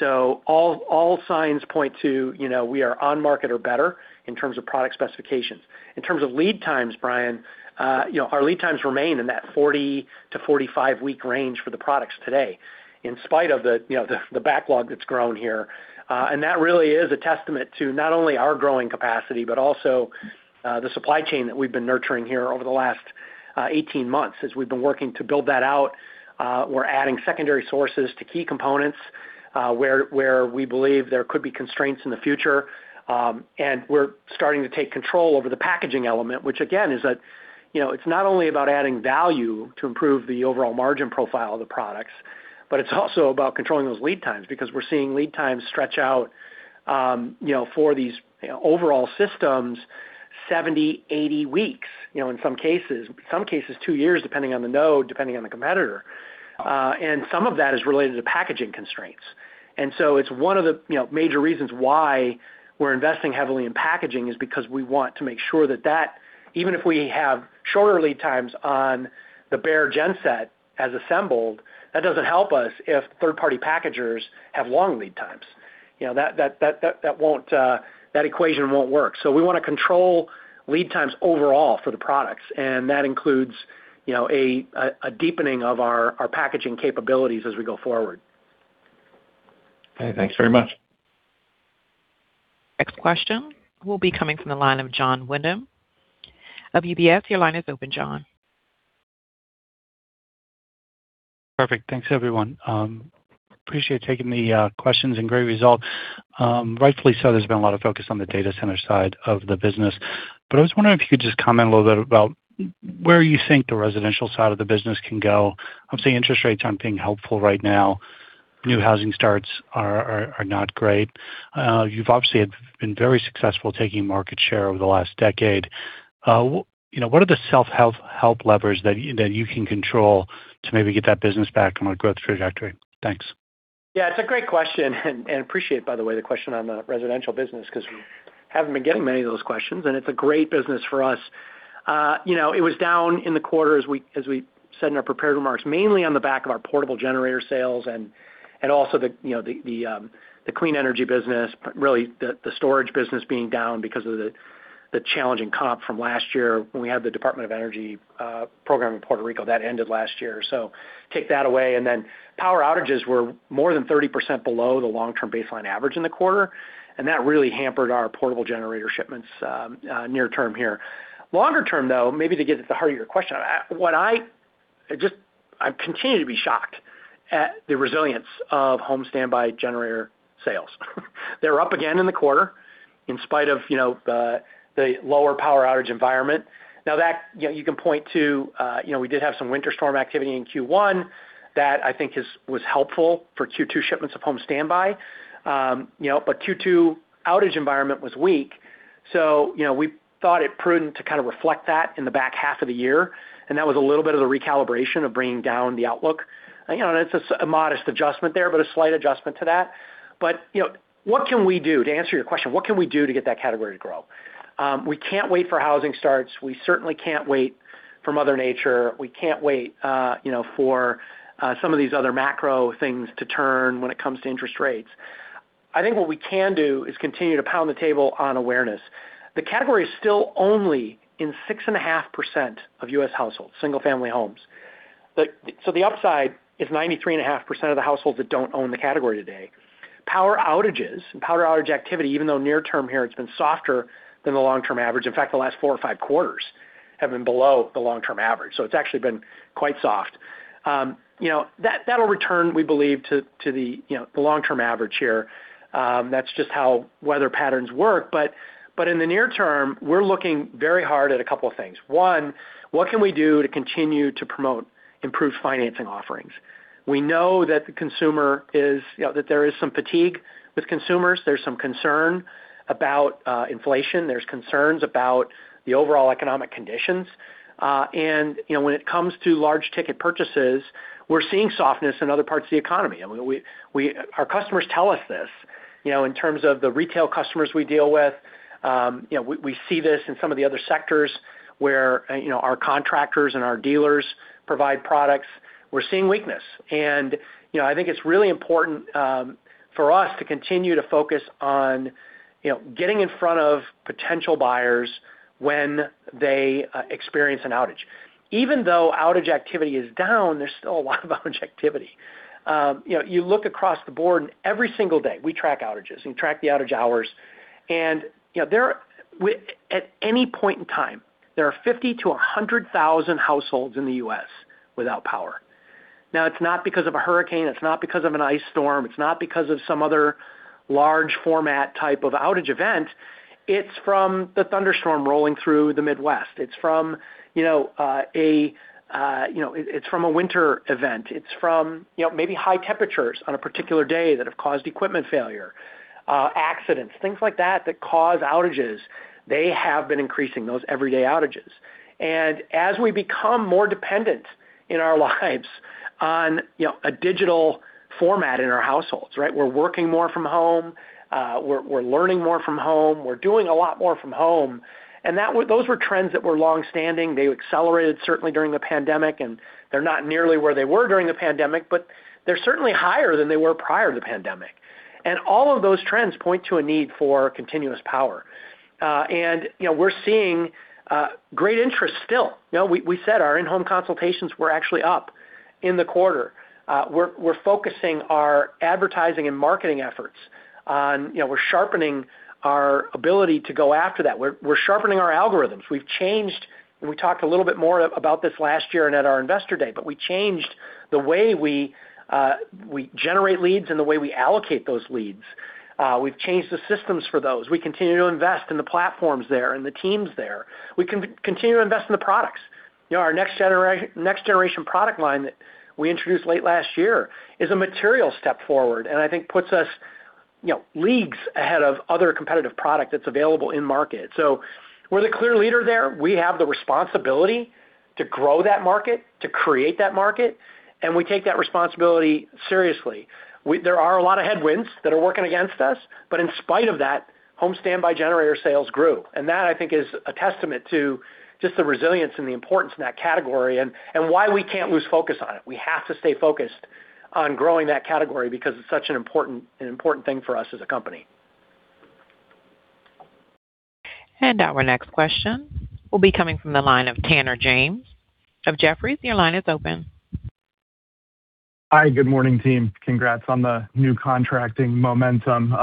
All signs point to we are on market or better in terms of product specifications. In terms of lead times, Brian, our lead times remain in that 40 to 45-week range for the products today. In spite of the backlog that's grown here. That really is a testament to not only our growing capacity, but also the supply chain that we've been nurturing here over the last 18 months as we've been working to build that out. We're adding secondary sources to key components where we believe there could be constraints in the future. We're starting to take control over the packaging element, which again, it's not only about adding value to improve the overall margin profile of the products, but it's also about controlling those lead times because we're seeing lead times stretch out for these overall systems, 70, 80 weeks in some cases. Some cases two years depending on the node, depending on the competitor. Some of that is related to packaging constraints. It's one of the major reasons why we're investing heavily in packaging is because we want to make sure that, even if we have shorter lead times on the bare genset as assembled, that doesn't help us if third party packagers have long lead times. That equation won't work. We want to control lead times overall for the products. That includes a deepening of our packaging capabilities as we go forward. Okay, thanks very much. Next question will be coming from the line of Jon Windham of UBS. Your line is open, Jon. Perfect. Thanks everyone. Appreciate taking the questions and great result. Rightfully so there's been a lot of focus on the data center side of the business. I was wondering if you could just comment a little bit about where you think the residential side of the business can go. Obviously, interest rates aren't being helpful right now. New housing starts are not great. You've obviously been very successful taking market share over the last decade. What are the self-help levers that you can control to maybe get that business back on a growth trajectory? Thanks. Yeah, it's a great question. Appreciate, by the way, the question on the residential business because we haven't been getting many of those questions. It's a great business for us. It was down in the quarter as we said in our prepared remarks, mainly on the back of our portable generator sales and also the clean energy business, really the storage business being down because of the challenging comp from last year when we had the U.S. Department of Energy program in Puerto Rico. That ended last year. Take that away. Power outages were more than 30% below the long-term baseline average in the quarter. That really hampered our portable generator shipments near term here. Longer term, though, maybe to get at the heart of your question, I continue to be shocked at the resilience of home standby generator sales. They were up again in the quarter in spite of the lower power outage environment. Now you can point to we did have some winter storm activity in Q1 that I think was helpful for Q2 shipments of home standby. Q2 outage environment was weak. We thought it prudent to kind of reflect that in the back half of the year. That was a little bit of the recalibration of bringing down the outlook. It's a modest adjustment there, a slight adjustment to that. What can we do to answer your question? What can we do to get that category to grow? We can't wait for housing starts. We certainly can't wait for mother nature. We can't wait for some of these other macro things to turn when it comes to interest rates. I think what we can do is continue to pound the table on awareness. The category is still only in 6.5% of U.S. households, single family homes. The upside is 93.5% of the households that don't own the category today. Power outages and power outage activity, even though near term here it's been softer than the long-term average. In fact, the last four or five quarters have been below the long-term average. It's actually been quite soft. That'll return, we believe, to the long-term average here. That's just how weather patterns work. In the near term, we're looking very hard at a couple of things. One, what can we do to continue to promote improved financing offerings? We know that there is some fatigue with consumers. There's some concern about inflation. There's concerns about the overall economic conditions. When it comes to large ticket purchases, we're seeing softness in other parts of the economy. Our customers tell us this. In terms of the retail customers we deal with, we see this in some of the other sectors where our contractors and our dealers provide products. We're seeing weakness. I think it's really important for us to continue to focus on getting in front of potential buyers when they experience an outage. Even though outage activity is down, there's still a lot of outage activity. You look across the board and every single day we track outages and track the outage hours. At any point in time, there are 50,000 to 100,000 households in the U.S. without power. Now it's not because of a hurricane, it's not because of an ice storm, it's not because of some other large format type of outage event. It's from the thunderstorm rolling through the Midwest. It's from a winter event. It's from maybe high temperatures on a particular day that have caused equipment failure, accidents, things like that cause outages. They have been increasing, those everyday outages. As we become more dependent in our lives on a digital format in our households, right? We're working more from home. We're learning more from home. We're doing a lot more from home. Those were trends that were longstanding. They accelerated certainly during the pandemic, and they're not nearly where they were during the pandemic, but they're certainly higher than they were prior to the pandemic. All of those trends point to a need for continuous power. We're seeing great interest still. We said our in-home consultations were actually up in the quarter. We're focusing our advertising and marketing efforts. We're sharpening our ability to go after that. We're sharpening our algorithms. We've changed, and we talked a little bit more about this last year and at our investor day, but we changed the way we generate leads and the way we allocate those leads. We've changed the systems for those. We continue to invest in the platforms there and the teams there. We continue to invest in the products. Our next generation product line that we introduced late last year is a material step forward and I think puts us leagues ahead of other competitive product that's available in market. We're the clear leader there. We have the responsibility to grow that market, to create that market, and we take that responsibility seriously. There are a lot of headwinds that are working against us, but in spite of that, home standby generator sales grew. That, I think, is a testament to just the resilience and the importance in that category and why we can't lose focus on it. We have to stay focused on growing that category because it's such an important thing for us as a company. Our next question will be coming from the line of Tanner James of Jefferies. Your line is open. Hi, good morning, team. Congrats on the new contracting momentum.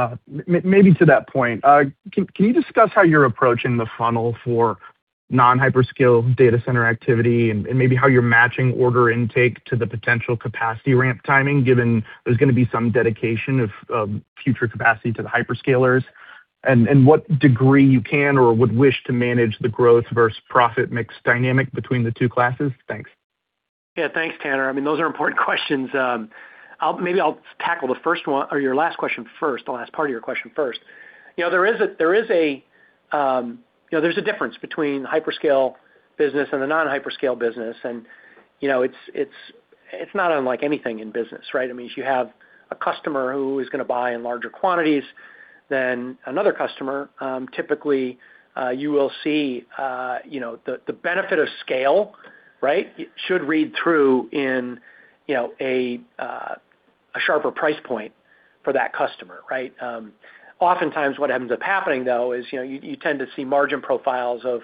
Maybe to that point, can you discuss how you're approaching the funnel for non-hyperscale data center activity and maybe how you're matching order intake to the potential capacity ramp timing, given there's going to be some dedication of future capacity to the hyperscalers? What degree you can or would wish to manage the growth versus profit mix dynamic between the two classes? Thanks. Yeah, thanks, Tanner. Those are important questions. Maybe I'll tackle the first one or your last question first, the last part of your question first. There's a difference between hyperscale business and the non-hyperscale business, and it's not unlike anything in business, right? It means you have a customer who is going to buy in larger quantities than another customer. Typically, you will see the benefit of scale, right, should read through in a sharper price point for that customer, right? Oftentimes, what ends up happening, though, is you tend to see margin profiles of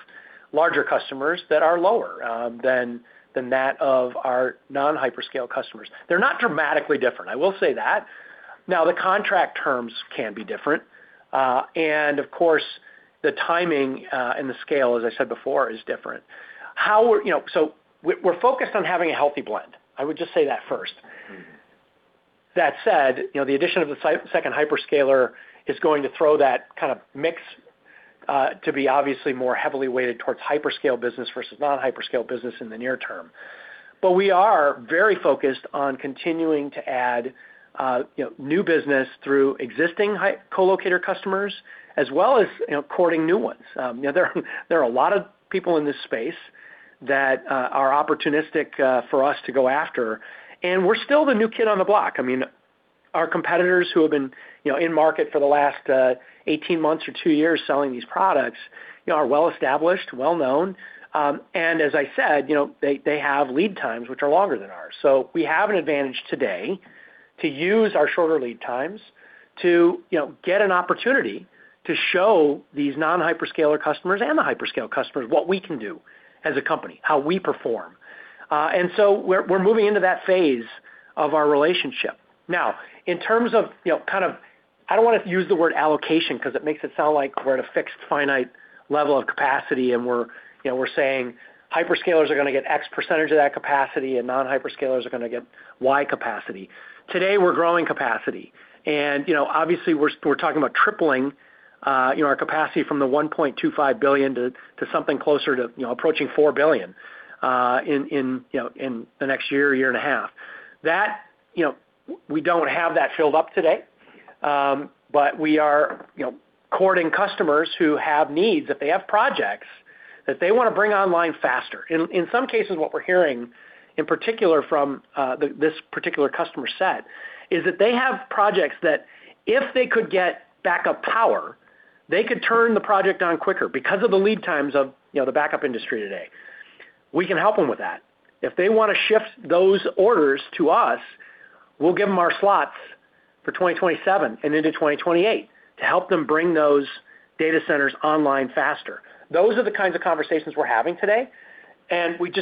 larger customers that are lower than that of our non-hyperscale customers. They're not dramatically different, I will say that. Now, the contract terms can be different. Of course, the timing and the scale, as I said before, is different. We're focused on having a healthy blend. I would just say that first. That said, the addition of the second hyperscaler is going to throw that kind of mix, to be obviously more heavily weighted towards hyperscale business versus non-hyperscale business in the near term. We are very focused on continuing to add new business through existing colocator customers, as well as courting new ones. There are a lot of people in this space that are opportunistic for us to go after, and we're still the new kid on the block. Our competitors who have been in market for the last 18 months or two years selling these products are well established, well known. As I said, they have lead times which are longer than ours. We have an advantage today to use our shorter lead times to get an opportunity to show these non-hyperscaler customers and the hyperscale customers what we can do as a company, how we perform. We're moving into that phase of our relationship. Now, in terms of kind of, I don't want to use the word allocation because it makes it sound like we're at a fixed finite level of capacity and we're saying hyperscalers are going to get X percentage of that capacity and non-hyperscalers are going to get Y capacity. Today, we're growing capacity. Obviously, we're talking about tripling our capacity from the $1.25 billion to something closer to approaching $4 billion in the next year and a half. We don't have that filled up today. We are courting customers who have needs, if they have projects that they want to bring online faster. In some cases, what we're hearing in particular from this particular customer set is that they have projects that if they could get backup power, they could turn the project on quicker because of the lead times of the backup industry today. We can help them with that. If they want to shift those orders to us, we'll give them our slots for 2027 and into 2028 to help them bring those data centers online faster. Those are the kinds of conversations we're having today, and we're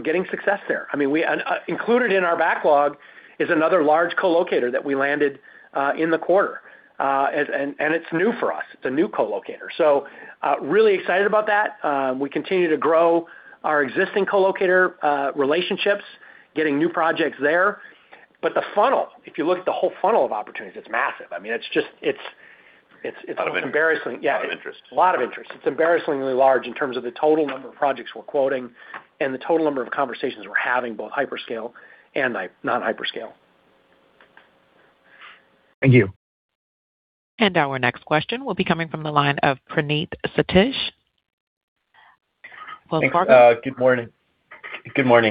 getting success there. Included in our backlog is another large colocator that we landed in the quarter. It's new for us. It's a new co-locator. Really excited about that. We continue to grow our existing co-locator relationships, getting new projects there. The funnel, if you look at the whole funnel of opportunities, it's massive. A lot of it it's. Yeah. A lot of interest. A lot of interest. It's embarrassingly large in terms of the total number of projects we're quoting and the total number of conversations we're having, both hyperscale and non-hyperscale. Thank you. Our next question will be coming from the line of Praneeth Satish. Go ahead. Good morning.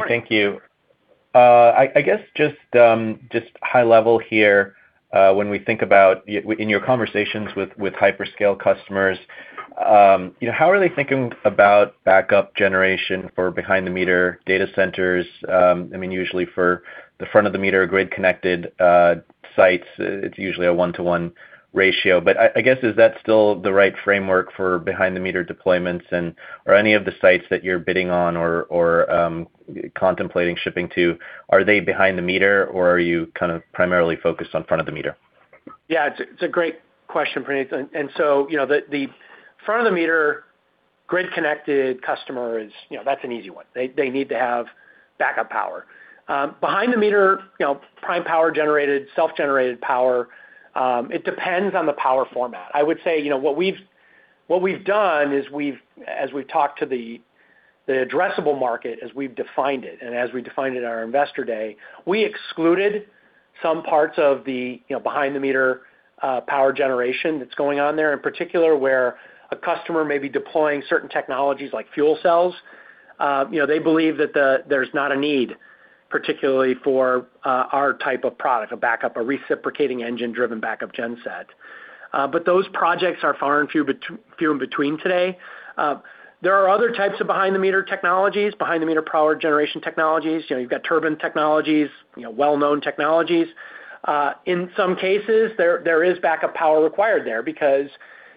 Thank you. I guess just high level here, when we think about in your conversations with hyperscale customers, how are they thinking about backup generation for behind-the-meter data centers? I mean, usually for the front-of-the-meter grid-connected sites, it's usually a one-to-one ratio. I guess, is that still the right framework for behind-the-meter deployments or any of the sites that you're bidding on or contemplating shipping to, are they behind the meter, or are you kind of primarily focused on front of the meter? Yeah, it's a great question, Praneeth. The front-of-the-meter grid-connected customer is, that's an easy one. They need to have backup power. Behind-the-meter prime power generated, self-generated power, it depends on the power format. I would say, what we've done is as we've talked to the addressable market as we've defined it, and as we defined it in our Investor Day, we excluded some parts of the behind-the-meter power generation that's going on there, in particular where a customer may be deploying certain technologies like fuel cells. They believe that there's not a need particularly for our type of product, a backup, a reciprocating engine-driven backup gen set. Those projects are far and few between today. There are other types of behind-the-meter technologies, behind-the-meter power generation technologies. You've got turbine technologies, well-known technologies. In some cases, there is backup power required there because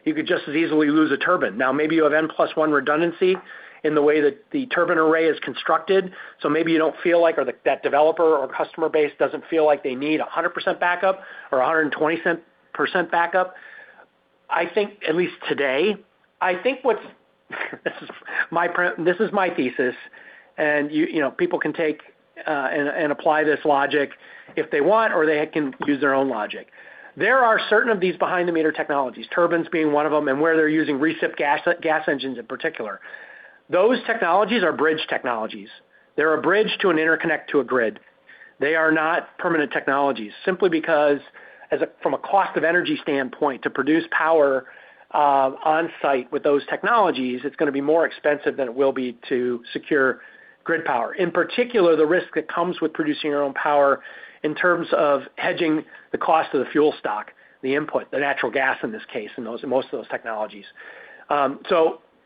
you could just as easily lose a turbine. Now, maybe you have N plus one redundancy in the way that the turbine array is constructed, so maybe you don't feel like, or that developer or customer base doesn't feel like they need 100% backup or 120% backup. I think at least today, this is my thesis, and people can take and apply this logic if they want, or they can use their own logic. There are certain of these behind-the-meter technologies, turbines being one of them, and where they're using recip gas engines in particular. Those technologies are bridge technologies. They're a bridge to an interconnect to a grid. They are not permanent technologies simply because from a cost of energy standpoint, to produce power on-site with those technologies, it's going to be more expensive than it will be to secure grid power. In particular, the risk that comes with producing your own power in terms of hedging the cost of the fuel stock, the input, the natural gas in this case, in most of those technologies.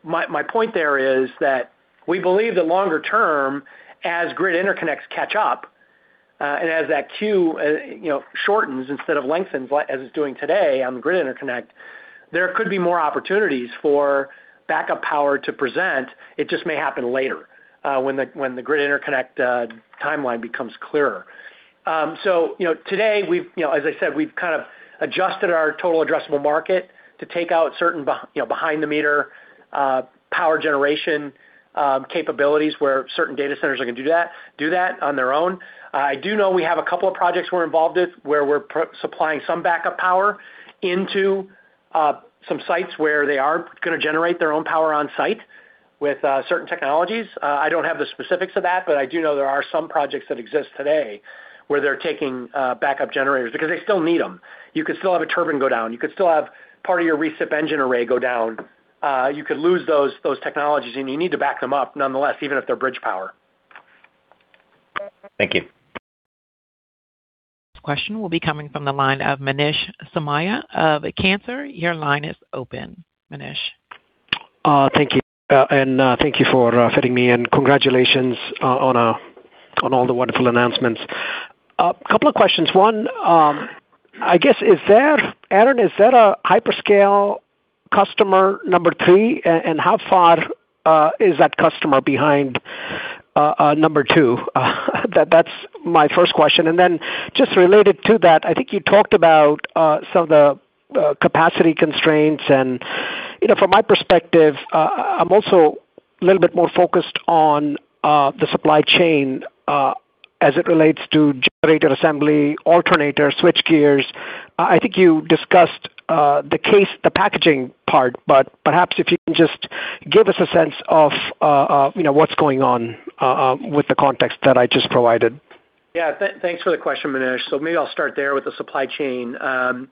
My point there is that we believe that longer-term, as grid interconnects catch up, and as that queue shortens instead of lengthens as it's doing today on the grid interconnect, there could be more opportunities for backup power to present. It just may happen later, when the grid interconnect timeline becomes clearer. Today, as I said, we've kind of adjusted our total addressable market to take out certain behind-the-meter power generation capabilities where certain data centers are going to do that on their own. I do know we have a couple of projects we're involved with where we're supplying some backup power into some sites where they are going to generate their own power on-site with certain technologies. I don't have the specifics of that, but I do know there are some projects that exist today where they're taking backup generators because they still need them. You could still have a turbine go down. You could still have part of your recip engine array go down. You could lose those technologies, and you need to back them up nonetheless, even if they're bridge power. Thank you. This question will be coming from the line of Manish Somaiya of Cantor. Your line is open, Manish. Thank you. Thank you for fitting me in. Congratulations on all the wonderful announcements. Couple of questions. One, I guess, Aaron, is that a hyperscale customer number 3, and how far is that customer behind number 2? That's my first question. Just related to that, I think you talked about some of the capacity constraints and from my perspective, I am also a little bit more focused on the supply chain as it relates to generator assembly, alternator, switch gears. I think you discussed the case, the packaging part, but perhaps if you can just give us a sense of what is going on with the context that I just provided. Thanks for the question, Manish Somaiya. Maybe I will start there with the supply chain. The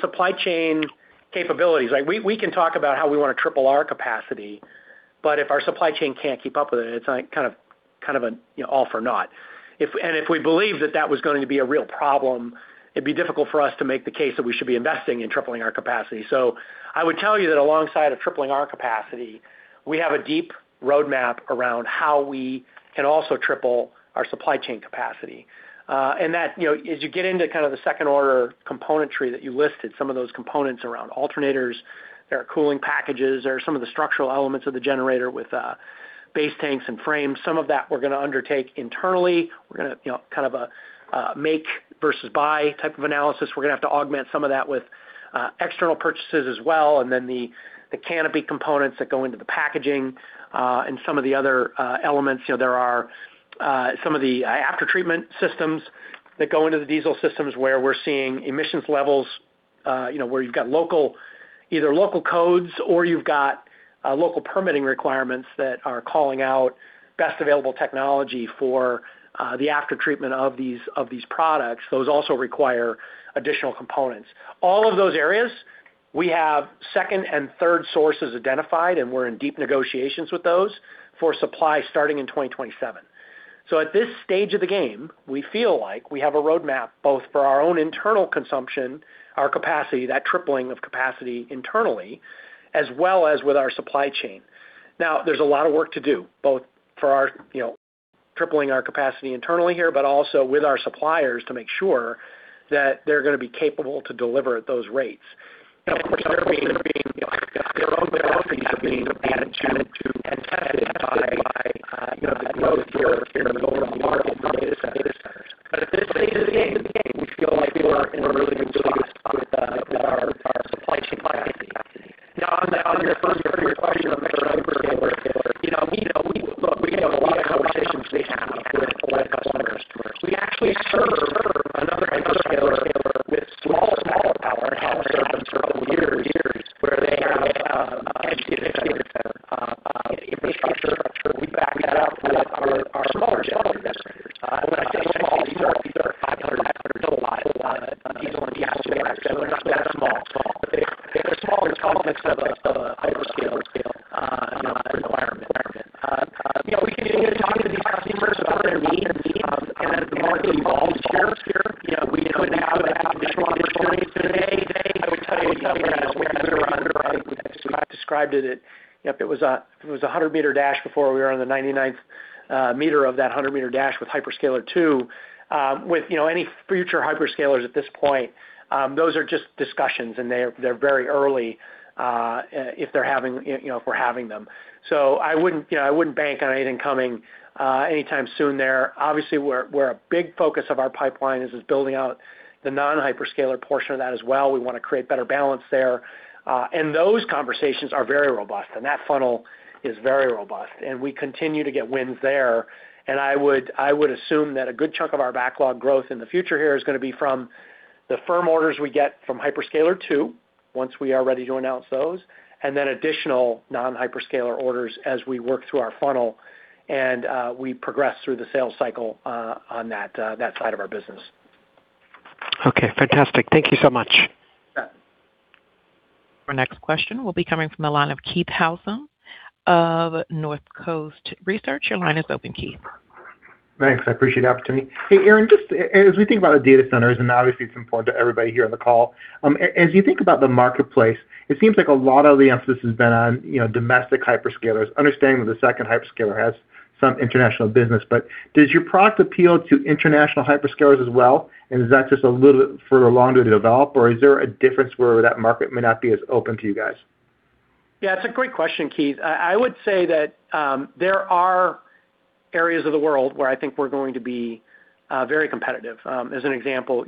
supply chain capabilities, we can talk about how we want to triple our capacity, but if our supply chain cannot keep up with it is kind of an all for naught. If we believe that that was going to be a real problem, it would be difficult for us to make the case that we should be investing in tripling our capacity. I would tell you that alongside of tripling our capacity, we have a deep roadmap around how we can also triple our supply chain capacity. As you get into kind of the second-order componentry that you listed, some of those components around alternators, there are cooling packages, there are some of the structural elements of the generator with Base tanks and frames. Some of that we are going to undertake internally. We are going to, kind of a make versus buy type of analysis. We are going to have to augment some of that with external purchases as well. The canopy components that go into the packaging, and some of the other elements. There are some of the after-treatment systems that go into the diesel systems where we are seeing emissions levels, where you have got either local codes or you have got local permitting requirements that are calling out best available technology for the after-treatment of these products. Those also require additional components. All of those areas, we have second and third sources identified, and we are in deep negotiations with those for supply starting in 2027. At this stage of the game, we feel like we have a roadmap both for our own internal consumption, our capacity, that tripling of capacity internally, as well as with our supply chain. Now, there is a lot of work to do, both for our tripling our capacity internally here, but also with our suppliers to make sure that they are going to be capable to deliver at those rates. Of course, they are being tested by the growth here in the global market in data centers. At this stage of the game, we feel like we are in a really good spot with our supply chain capacity. Now, on your first part of your question on hyperscaler, look, we have a lot of conversations we have with a lot of customers. We actually serve another hyperscaler with small amount of power and have served them for a number of years where they have an infrastructure. We back that up with our smaller gen sets. When I say small, these are 500, they're still a lot of diesel and gas gen sets, so they're not that small. They're small in the context of a hyperscaler environment. We continue to talk to these customers about their needs, and as the market evolves here, we could add additional business. I would tell you, as Aaron, I think, described it, if it was a 100-meter dash before, we were on the 99th meter of that 100-meter dash with hyperscaler 2. With any future hyperscalers at this point, those are just discussions, and they're very early if we're having them. I wouldn't bank on anything coming anytime soon there. Obviously, where a big focus of our pipeline is building out the non-hyperscaler portion of that as well. We want to create better balance there. Those conversations are very robust, and that funnel is very robust, and we continue to get wins there. I would assume that a good chunk of our backlog growth in the future here is going to be from the firm orders we get from hyperscaler 2, once we are ready to announce those, and then additional non-hyperscaler orders as we work through our funnel and we progress through the sales cycle on that side of our business. Okay, fantastic. Thank you so much. Yeah. Our next question will be coming from the line of Keith Housum of Northcoast Research. Your line is open, Keith. Thanks. I appreciate the opportunity. Hey, Aaron, as we think about the data centers, and obviously it's important to everybody here on the call, as you think about the marketplace, it seems like a lot of the emphasis has been on domestic hyperscalers, understanding that the second hyperscaler has some international business. Does your product appeal to international hyperscalers as well? Is that just a little bit further along to develop? Is there a difference where that market may not be as open to you guys? Yeah, it's a great question, Keith. I would say that there are areas of the world where I think we're going to be very competitive. As an example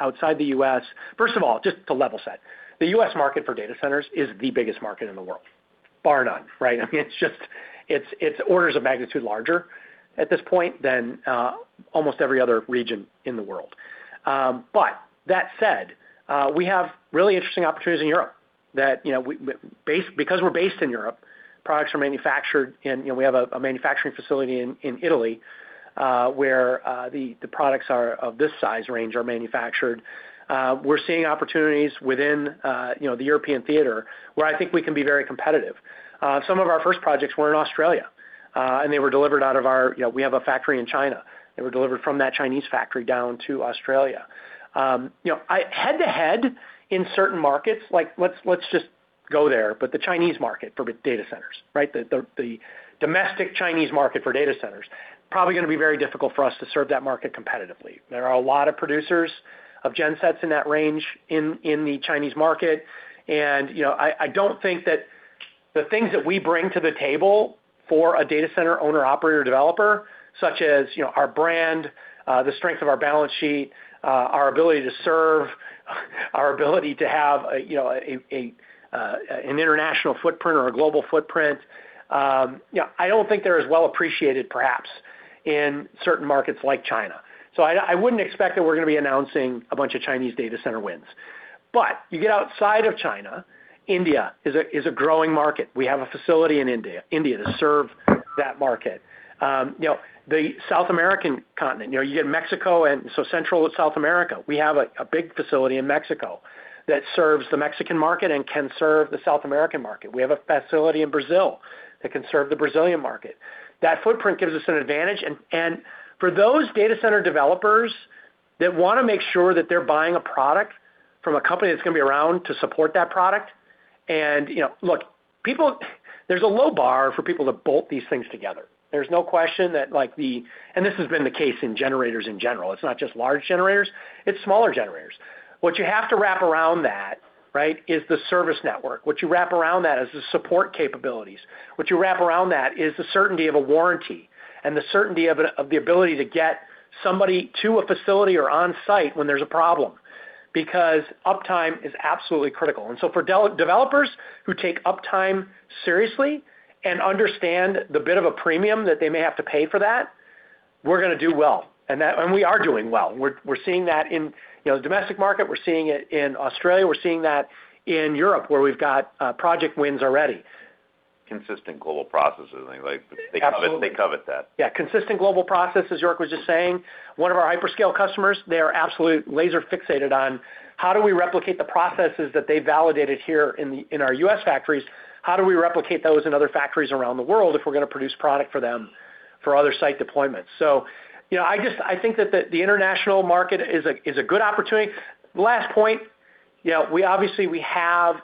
outside the U.S. First of all, just to level set, the U.S. market for data centers is the biggest market in the world, bar none, right? I mean, it's orders of magnitude larger at this point than almost every other region in the world. That said, we have really interesting opportunities in Europe that, because we're based in Europe, products are manufactured in. We have a manufacturing facility in Italy, where the products of this size range are manufactured. We're seeing opportunities within the European theater, where I think we can be very competitive. Some of our first projects were in Australia. They were delivered from our factory in China. They were delivered from that Chinese factory down to Australia. Head-to-head in certain markets, let's just go there. The Chinese market for data centers, right? The domestic Chinese market for data centers, probably going to be very difficult for us to serve that market competitively. There are a lot of producers of gen sets in that range in the Chinese market. I don't think that the things that we bring to the table for a data center owner, operator, developer, such as our brand, the strength of our balance sheet, our ability to serve, our ability to have an international footprint or a global footprint, I don't think they're as well appreciated perhaps in certain markets like China. I wouldn't expect that we're going to be announcing a bunch of Chinese data center wins. You get outside of China, India is a growing market. We have a facility in India to serve that market. The South American continent, you get Mexico, Central and South America. We have a big facility in Mexico that serves the Mexican market and can serve the South American market. We have a facility in Brazil that can serve the Brazilian market. That footprint gives us an advantage. For those data center developers that want to make sure that they're buying a product from a company that's going to be around to support that product, and look, there's a low bar for people to bolt these things together. There's no question that this has been the case in generators in general. It's not just large generators, it's smaller generators. What you have to wrap around that Is the service network. What you wrap around that is the support capabilities. What you wrap around that is the certainty of a warranty, and the certainty of the ability to get somebody to a facility or on site when there's a problem, because uptime is absolutely critical. For developers who take uptime seriously and understand the bit of a premium that they may have to pay for that, we're going to do well. We are doing well. We're seeing that in the domestic market. We're seeing it in Australia. We're seeing that in Europe, where we've got project wins already. Consistent global processes and things like Absolutely. They covet that. Yeah. Consistent global processes, York was just saying, one of our hyperscale customers, they are absolute laser fixated on how do we replicate the processes that they validated here in our U.S. factories. How do we replicate those in other factories around the world if we're going to produce product for them for other site deployments? I think that the international market is a good opportunity. Last point, we have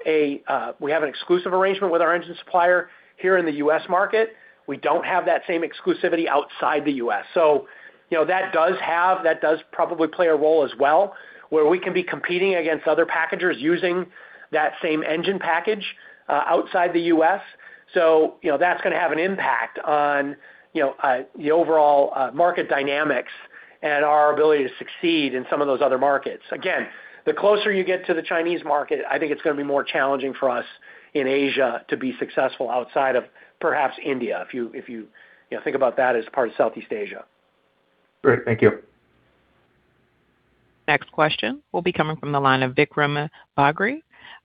an exclusive arrangement with our engine supplier here in the U.S. market. We don't have that same exclusivity outside the U.S. That does probably play a role as well, where we can be competing against other packagers using that same engine package, outside the U.S. That's going to have an impact on the overall market dynamics and our ability to succeed in some of those other markets. The closer you get to the Chinese market, I think it's going to be more challenging for us in Asia to be successful outside of perhaps India, if you think about that as part of Southeast Asia. Great. Thank you. Next question will be coming from the line of Vikram Bagri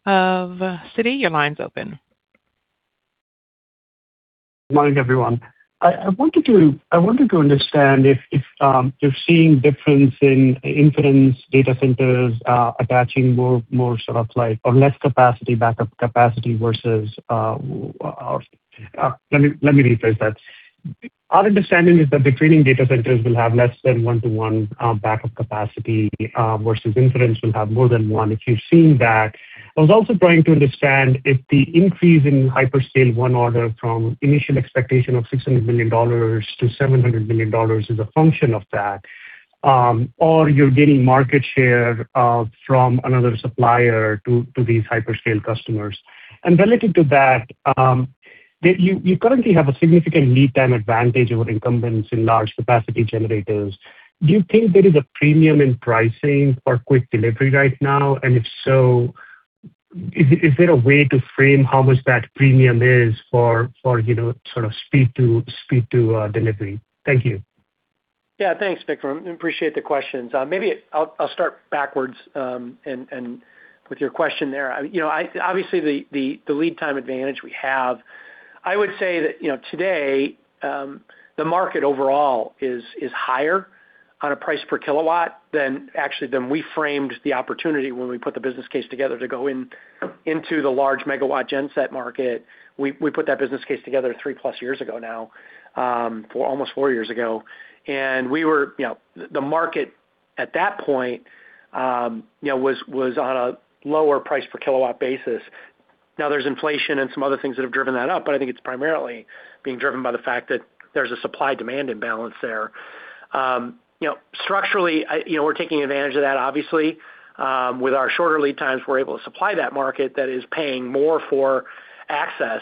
of Citi. Your line's open. Morning, everyone. I wanted to understand if you're seeing difference in inference data centers, attaching more sort of like, or less capacity, backup capacity. Let me rephrase that. Our understanding is that the training data centers will have less than one-to-one backup capacity, versus inference will have more than one, if you've seen that. I was also trying to understand if the increase in hyperscale one order from initial expectation of $600 million to $700 million is a function of that, or you're gaining market share from another supplier to these hyperscale customers. Related to that, you currently have a significant lead time advantage over incumbents in large capacity generators. Do you think there is a premium in pricing for quick delivery right now? If so, is there a way to frame how much that premium is for sort of speed to delivery? Thank you. Thanks, Vikram. I appreciate the questions. Maybe I'll start backwards, with your question there. Obviously the lead time advantage we have, I would say that today, the market overall is higher on a price per kilowatt than actually than we framed the opportunity when we put the business case together to go into the large megawatt gen set market. We put that business case together three plus years ago now, almost four years ago. The market at that point was on a lower price per kilowatt basis. There's inflation and some other things that have driven that up, but I think it's primarily being driven by the fact that there's a supply-demand imbalance there. Structurally, we're taking advantage of that obviously. With our shorter lead times, we're able to supply that market that is paying more for access.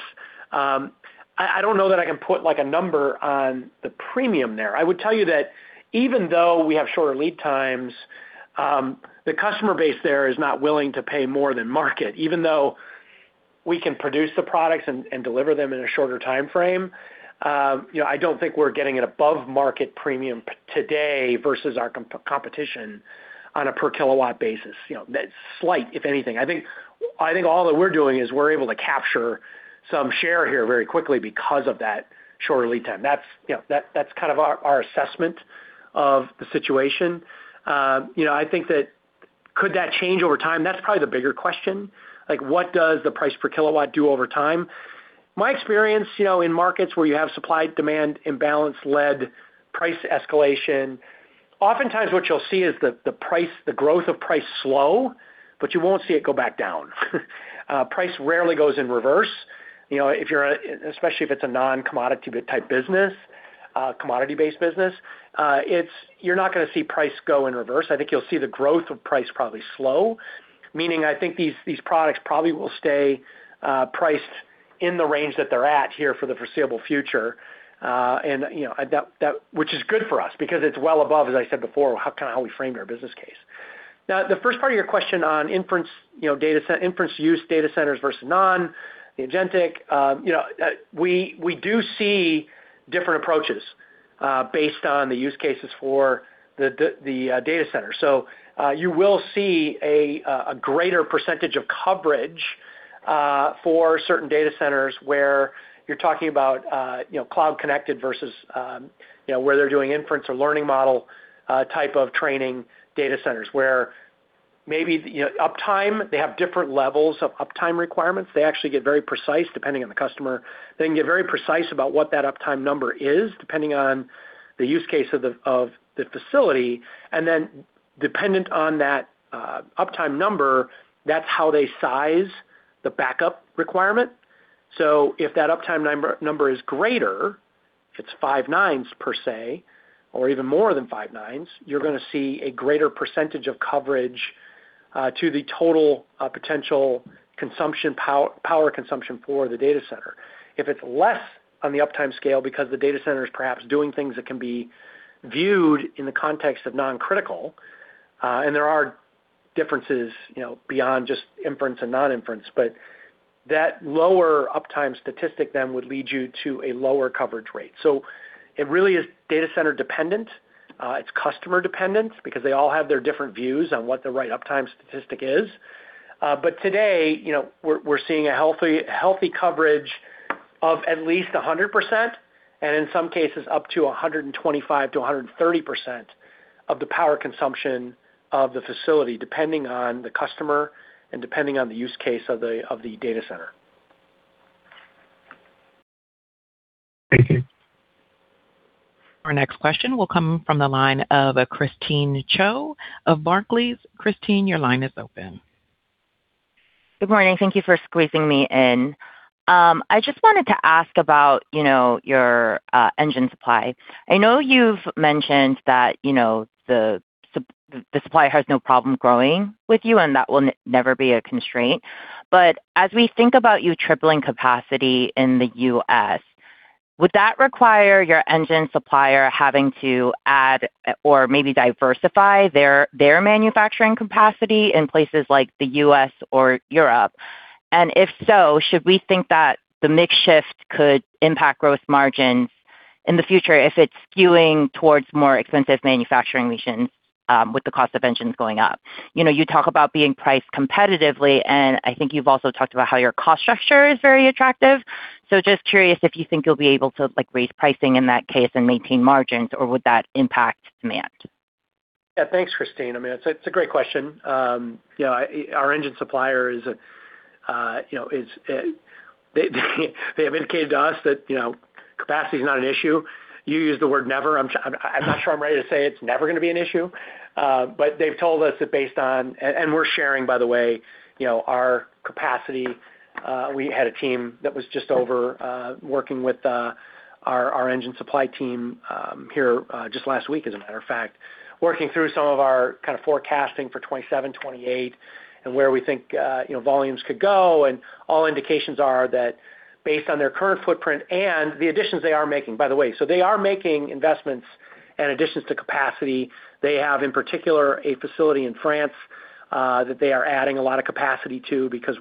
I don't know that I can put like a number on the premium there. I would tell you that even though we have shorter lead times, the customer base there is not willing to pay more than market. Even though we can produce the products and deliver them in a shorter timeframe, I don't think we're getting an above market premium today versus our competition on a per kilowatt basis. That's slight, if anything. I think all that we're doing is we're able to capture some share here very quickly because of that shorter lead time. That's kind of our assessment of the situation. I think that could that change over time? That's probably the bigger question. What does the price per kilowatt do over time? My experience, in markets where you have supply-demand imbalance led price escalation, oftentimes what you'll see is the growth of price slow, you won't see it go back down. Price rarely goes in reverse, especially if it's a non-commodity type business, commodity-based business. You're not going to see price go in reverse. I think you'll see the growth of price probably slow. Meaning I think these products probably will stay priced in the range that they're at here for the foreseeable future. Which is good for us because it's well above, as I said before, kind of how we framed our business case. The first part of your question on inference use data centers versus non, the agentic. We do see different approaches, based on the use cases for the data center. You will see a greater percentage of coverage for certain data centers where you're talking about cloud connected versus where they're doing inference or learning model, type of training data centers. Where maybe uptime, they have different levels of uptime requirements. They actually get very precise depending on the customer. They can get very precise about what that uptime number is, depending on the use case of the facility. Dependent on that uptime number, that's how they size the backup requirement. If that uptime number is greater If it's five nines per se, or even more than five nines, you're going to see a greater percentage of coverage to the total potential power consumption for the data center. If it's less on the uptime scale because the data center is perhaps doing things that can be viewed in the context of non-critical, and there are differences beyond just inference and non-inference, but that lower uptime statistic then would lead you to a lower coverage rate. It really is data center dependent. It's customer dependent because they all have their different views on what the right uptime statistic is. Today, we're seeing a healthy coverage of at least 100%, and in some cases up to 125%-130% of the power consumption of the facility, depending on the customer and depending on the use case of the data center. Thank you. Our next question will come from the line of Christine Cho of Barclays. Christine, your line is open. Good morning. Thank you for squeezing me in. I just wanted to ask about your engine supply. I know you've mentioned that the supply has no problem growing with you and that will never be a constraint. As we think about you tripling capacity in the U.S., would that require your engine supplier having to add or maybe diversify their manufacturing capacity in places like the U.S. or Europe? If so, should we think that the mix shift could impact gross margins in the future if it's skewing towards more expensive manufacturing regions with the cost of engines going up? You talk about being priced competitively, and I think you've also talked about how your cost structure is very attractive. Just curious if you think you'll be able to raise pricing in that case and maintain margins, or would that impact demand? Thanks, Christine. It's a great question. Our engine supplier they have indicated to us that capacity is not an issue. You used the word never. I'm not sure I'm ready to say it's never going to be an issue. They've told us that based on, and we're sharing, by the way, our capacity. We had a team that was just over working with our engine supply team here just last week, as a matter of fact, working through some of our forecasting for 2027, 2028, and where we think volumes could go. All indications are that based on their current footprint and the additions they are making, by the way. They are making investments and additions to capacity. They have, in particular, a facility in France that they are adding a lot of capacity to because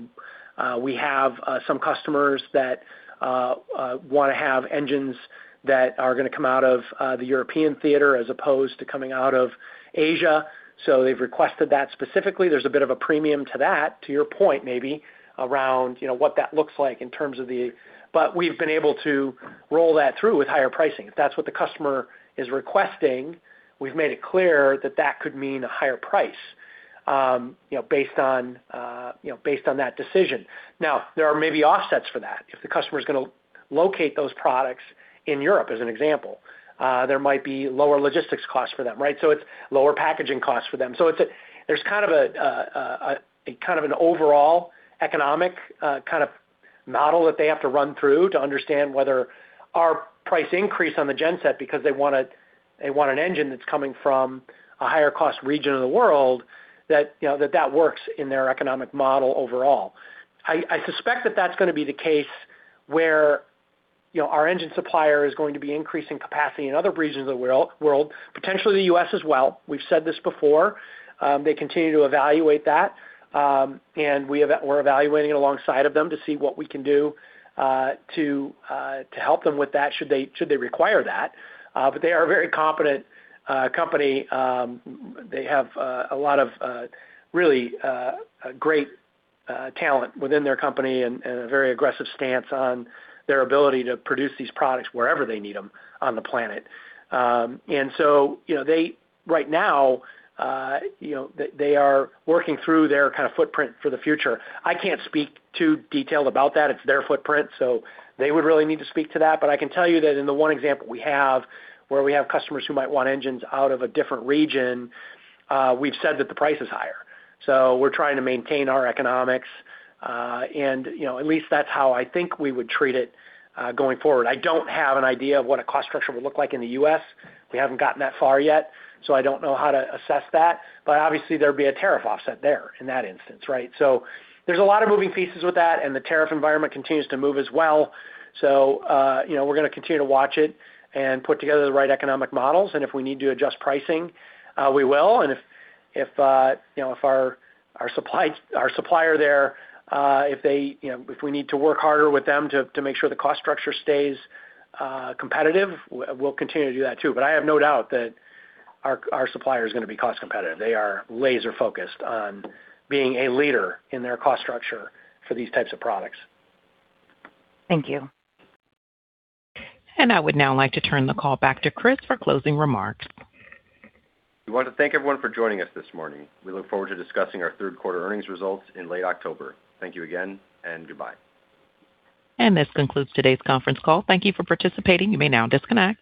we have some customers that want to have engines that are going to come out of the European theater as opposed to coming out of Asia. They've requested that specifically. There's a bit of a premium to that, to your point maybe, around what that looks like in terms of the. We've been able to roll that through with higher pricing. If that's what the customer is requesting, we've made it clear that that could mean a higher price based on that decision. Now, there are maybe offsets for that. If the customer is going to locate those products in Europe, as an example, there might be lower logistics costs for them, right? It's lower packaging costs for them. There's an overall economic model that they have to run through to understand whether our price increase on the genset because they want an engine that's coming from a higher cost region of the world, that that works in their economic model overall. I suspect that that's going to be the case where our engine supplier is going to be increasing capacity in other regions of the world, potentially the U.S. as well. We've said this before. They continue to evaluate that, and we're evaluating it alongside of them to see what we can do to help them with that should they require that. They are a very competent company. They have a lot of really great talent within their company and a very aggressive stance on their ability to produce these products wherever they need them on the planet. They right now they are working through their footprint for the future. I can't speak too detailed about that. It's their footprint, so they would really need to speak to that. I can tell you that in the one example we have where we have customers who might want engines out of a different region, we've said that the price is higher. We're trying to maintain our economics. At least that's how I think we would treat it going forward. I don't have an idea of what a cost structure would look like in the U.S. We haven't gotten that far yet, so I don't know how to assess that. Obviously, there'd be a tariff offset there in that instance, right? There's a lot of moving pieces with that and the tariff environment continues to move as well. We're going to continue to watch it and put together the right economic models and if we need to adjust pricing, we will. If our supplier there, if we need to work harder with them to make sure the cost structure stays competitive, we'll continue to do that too. I have no doubt that our supplier is going to be cost competitive. They are laser focused on being a leader in their cost structure for these types of products. Thank you. I would now like to turn the call back to Kris for closing remarks. We want to thank everyone for joining us this morning. We look forward to discussing our third quarter earnings results in late October. Thank you again and goodbye. This concludes today's conference call. Thank you for participating. You may now disconnect.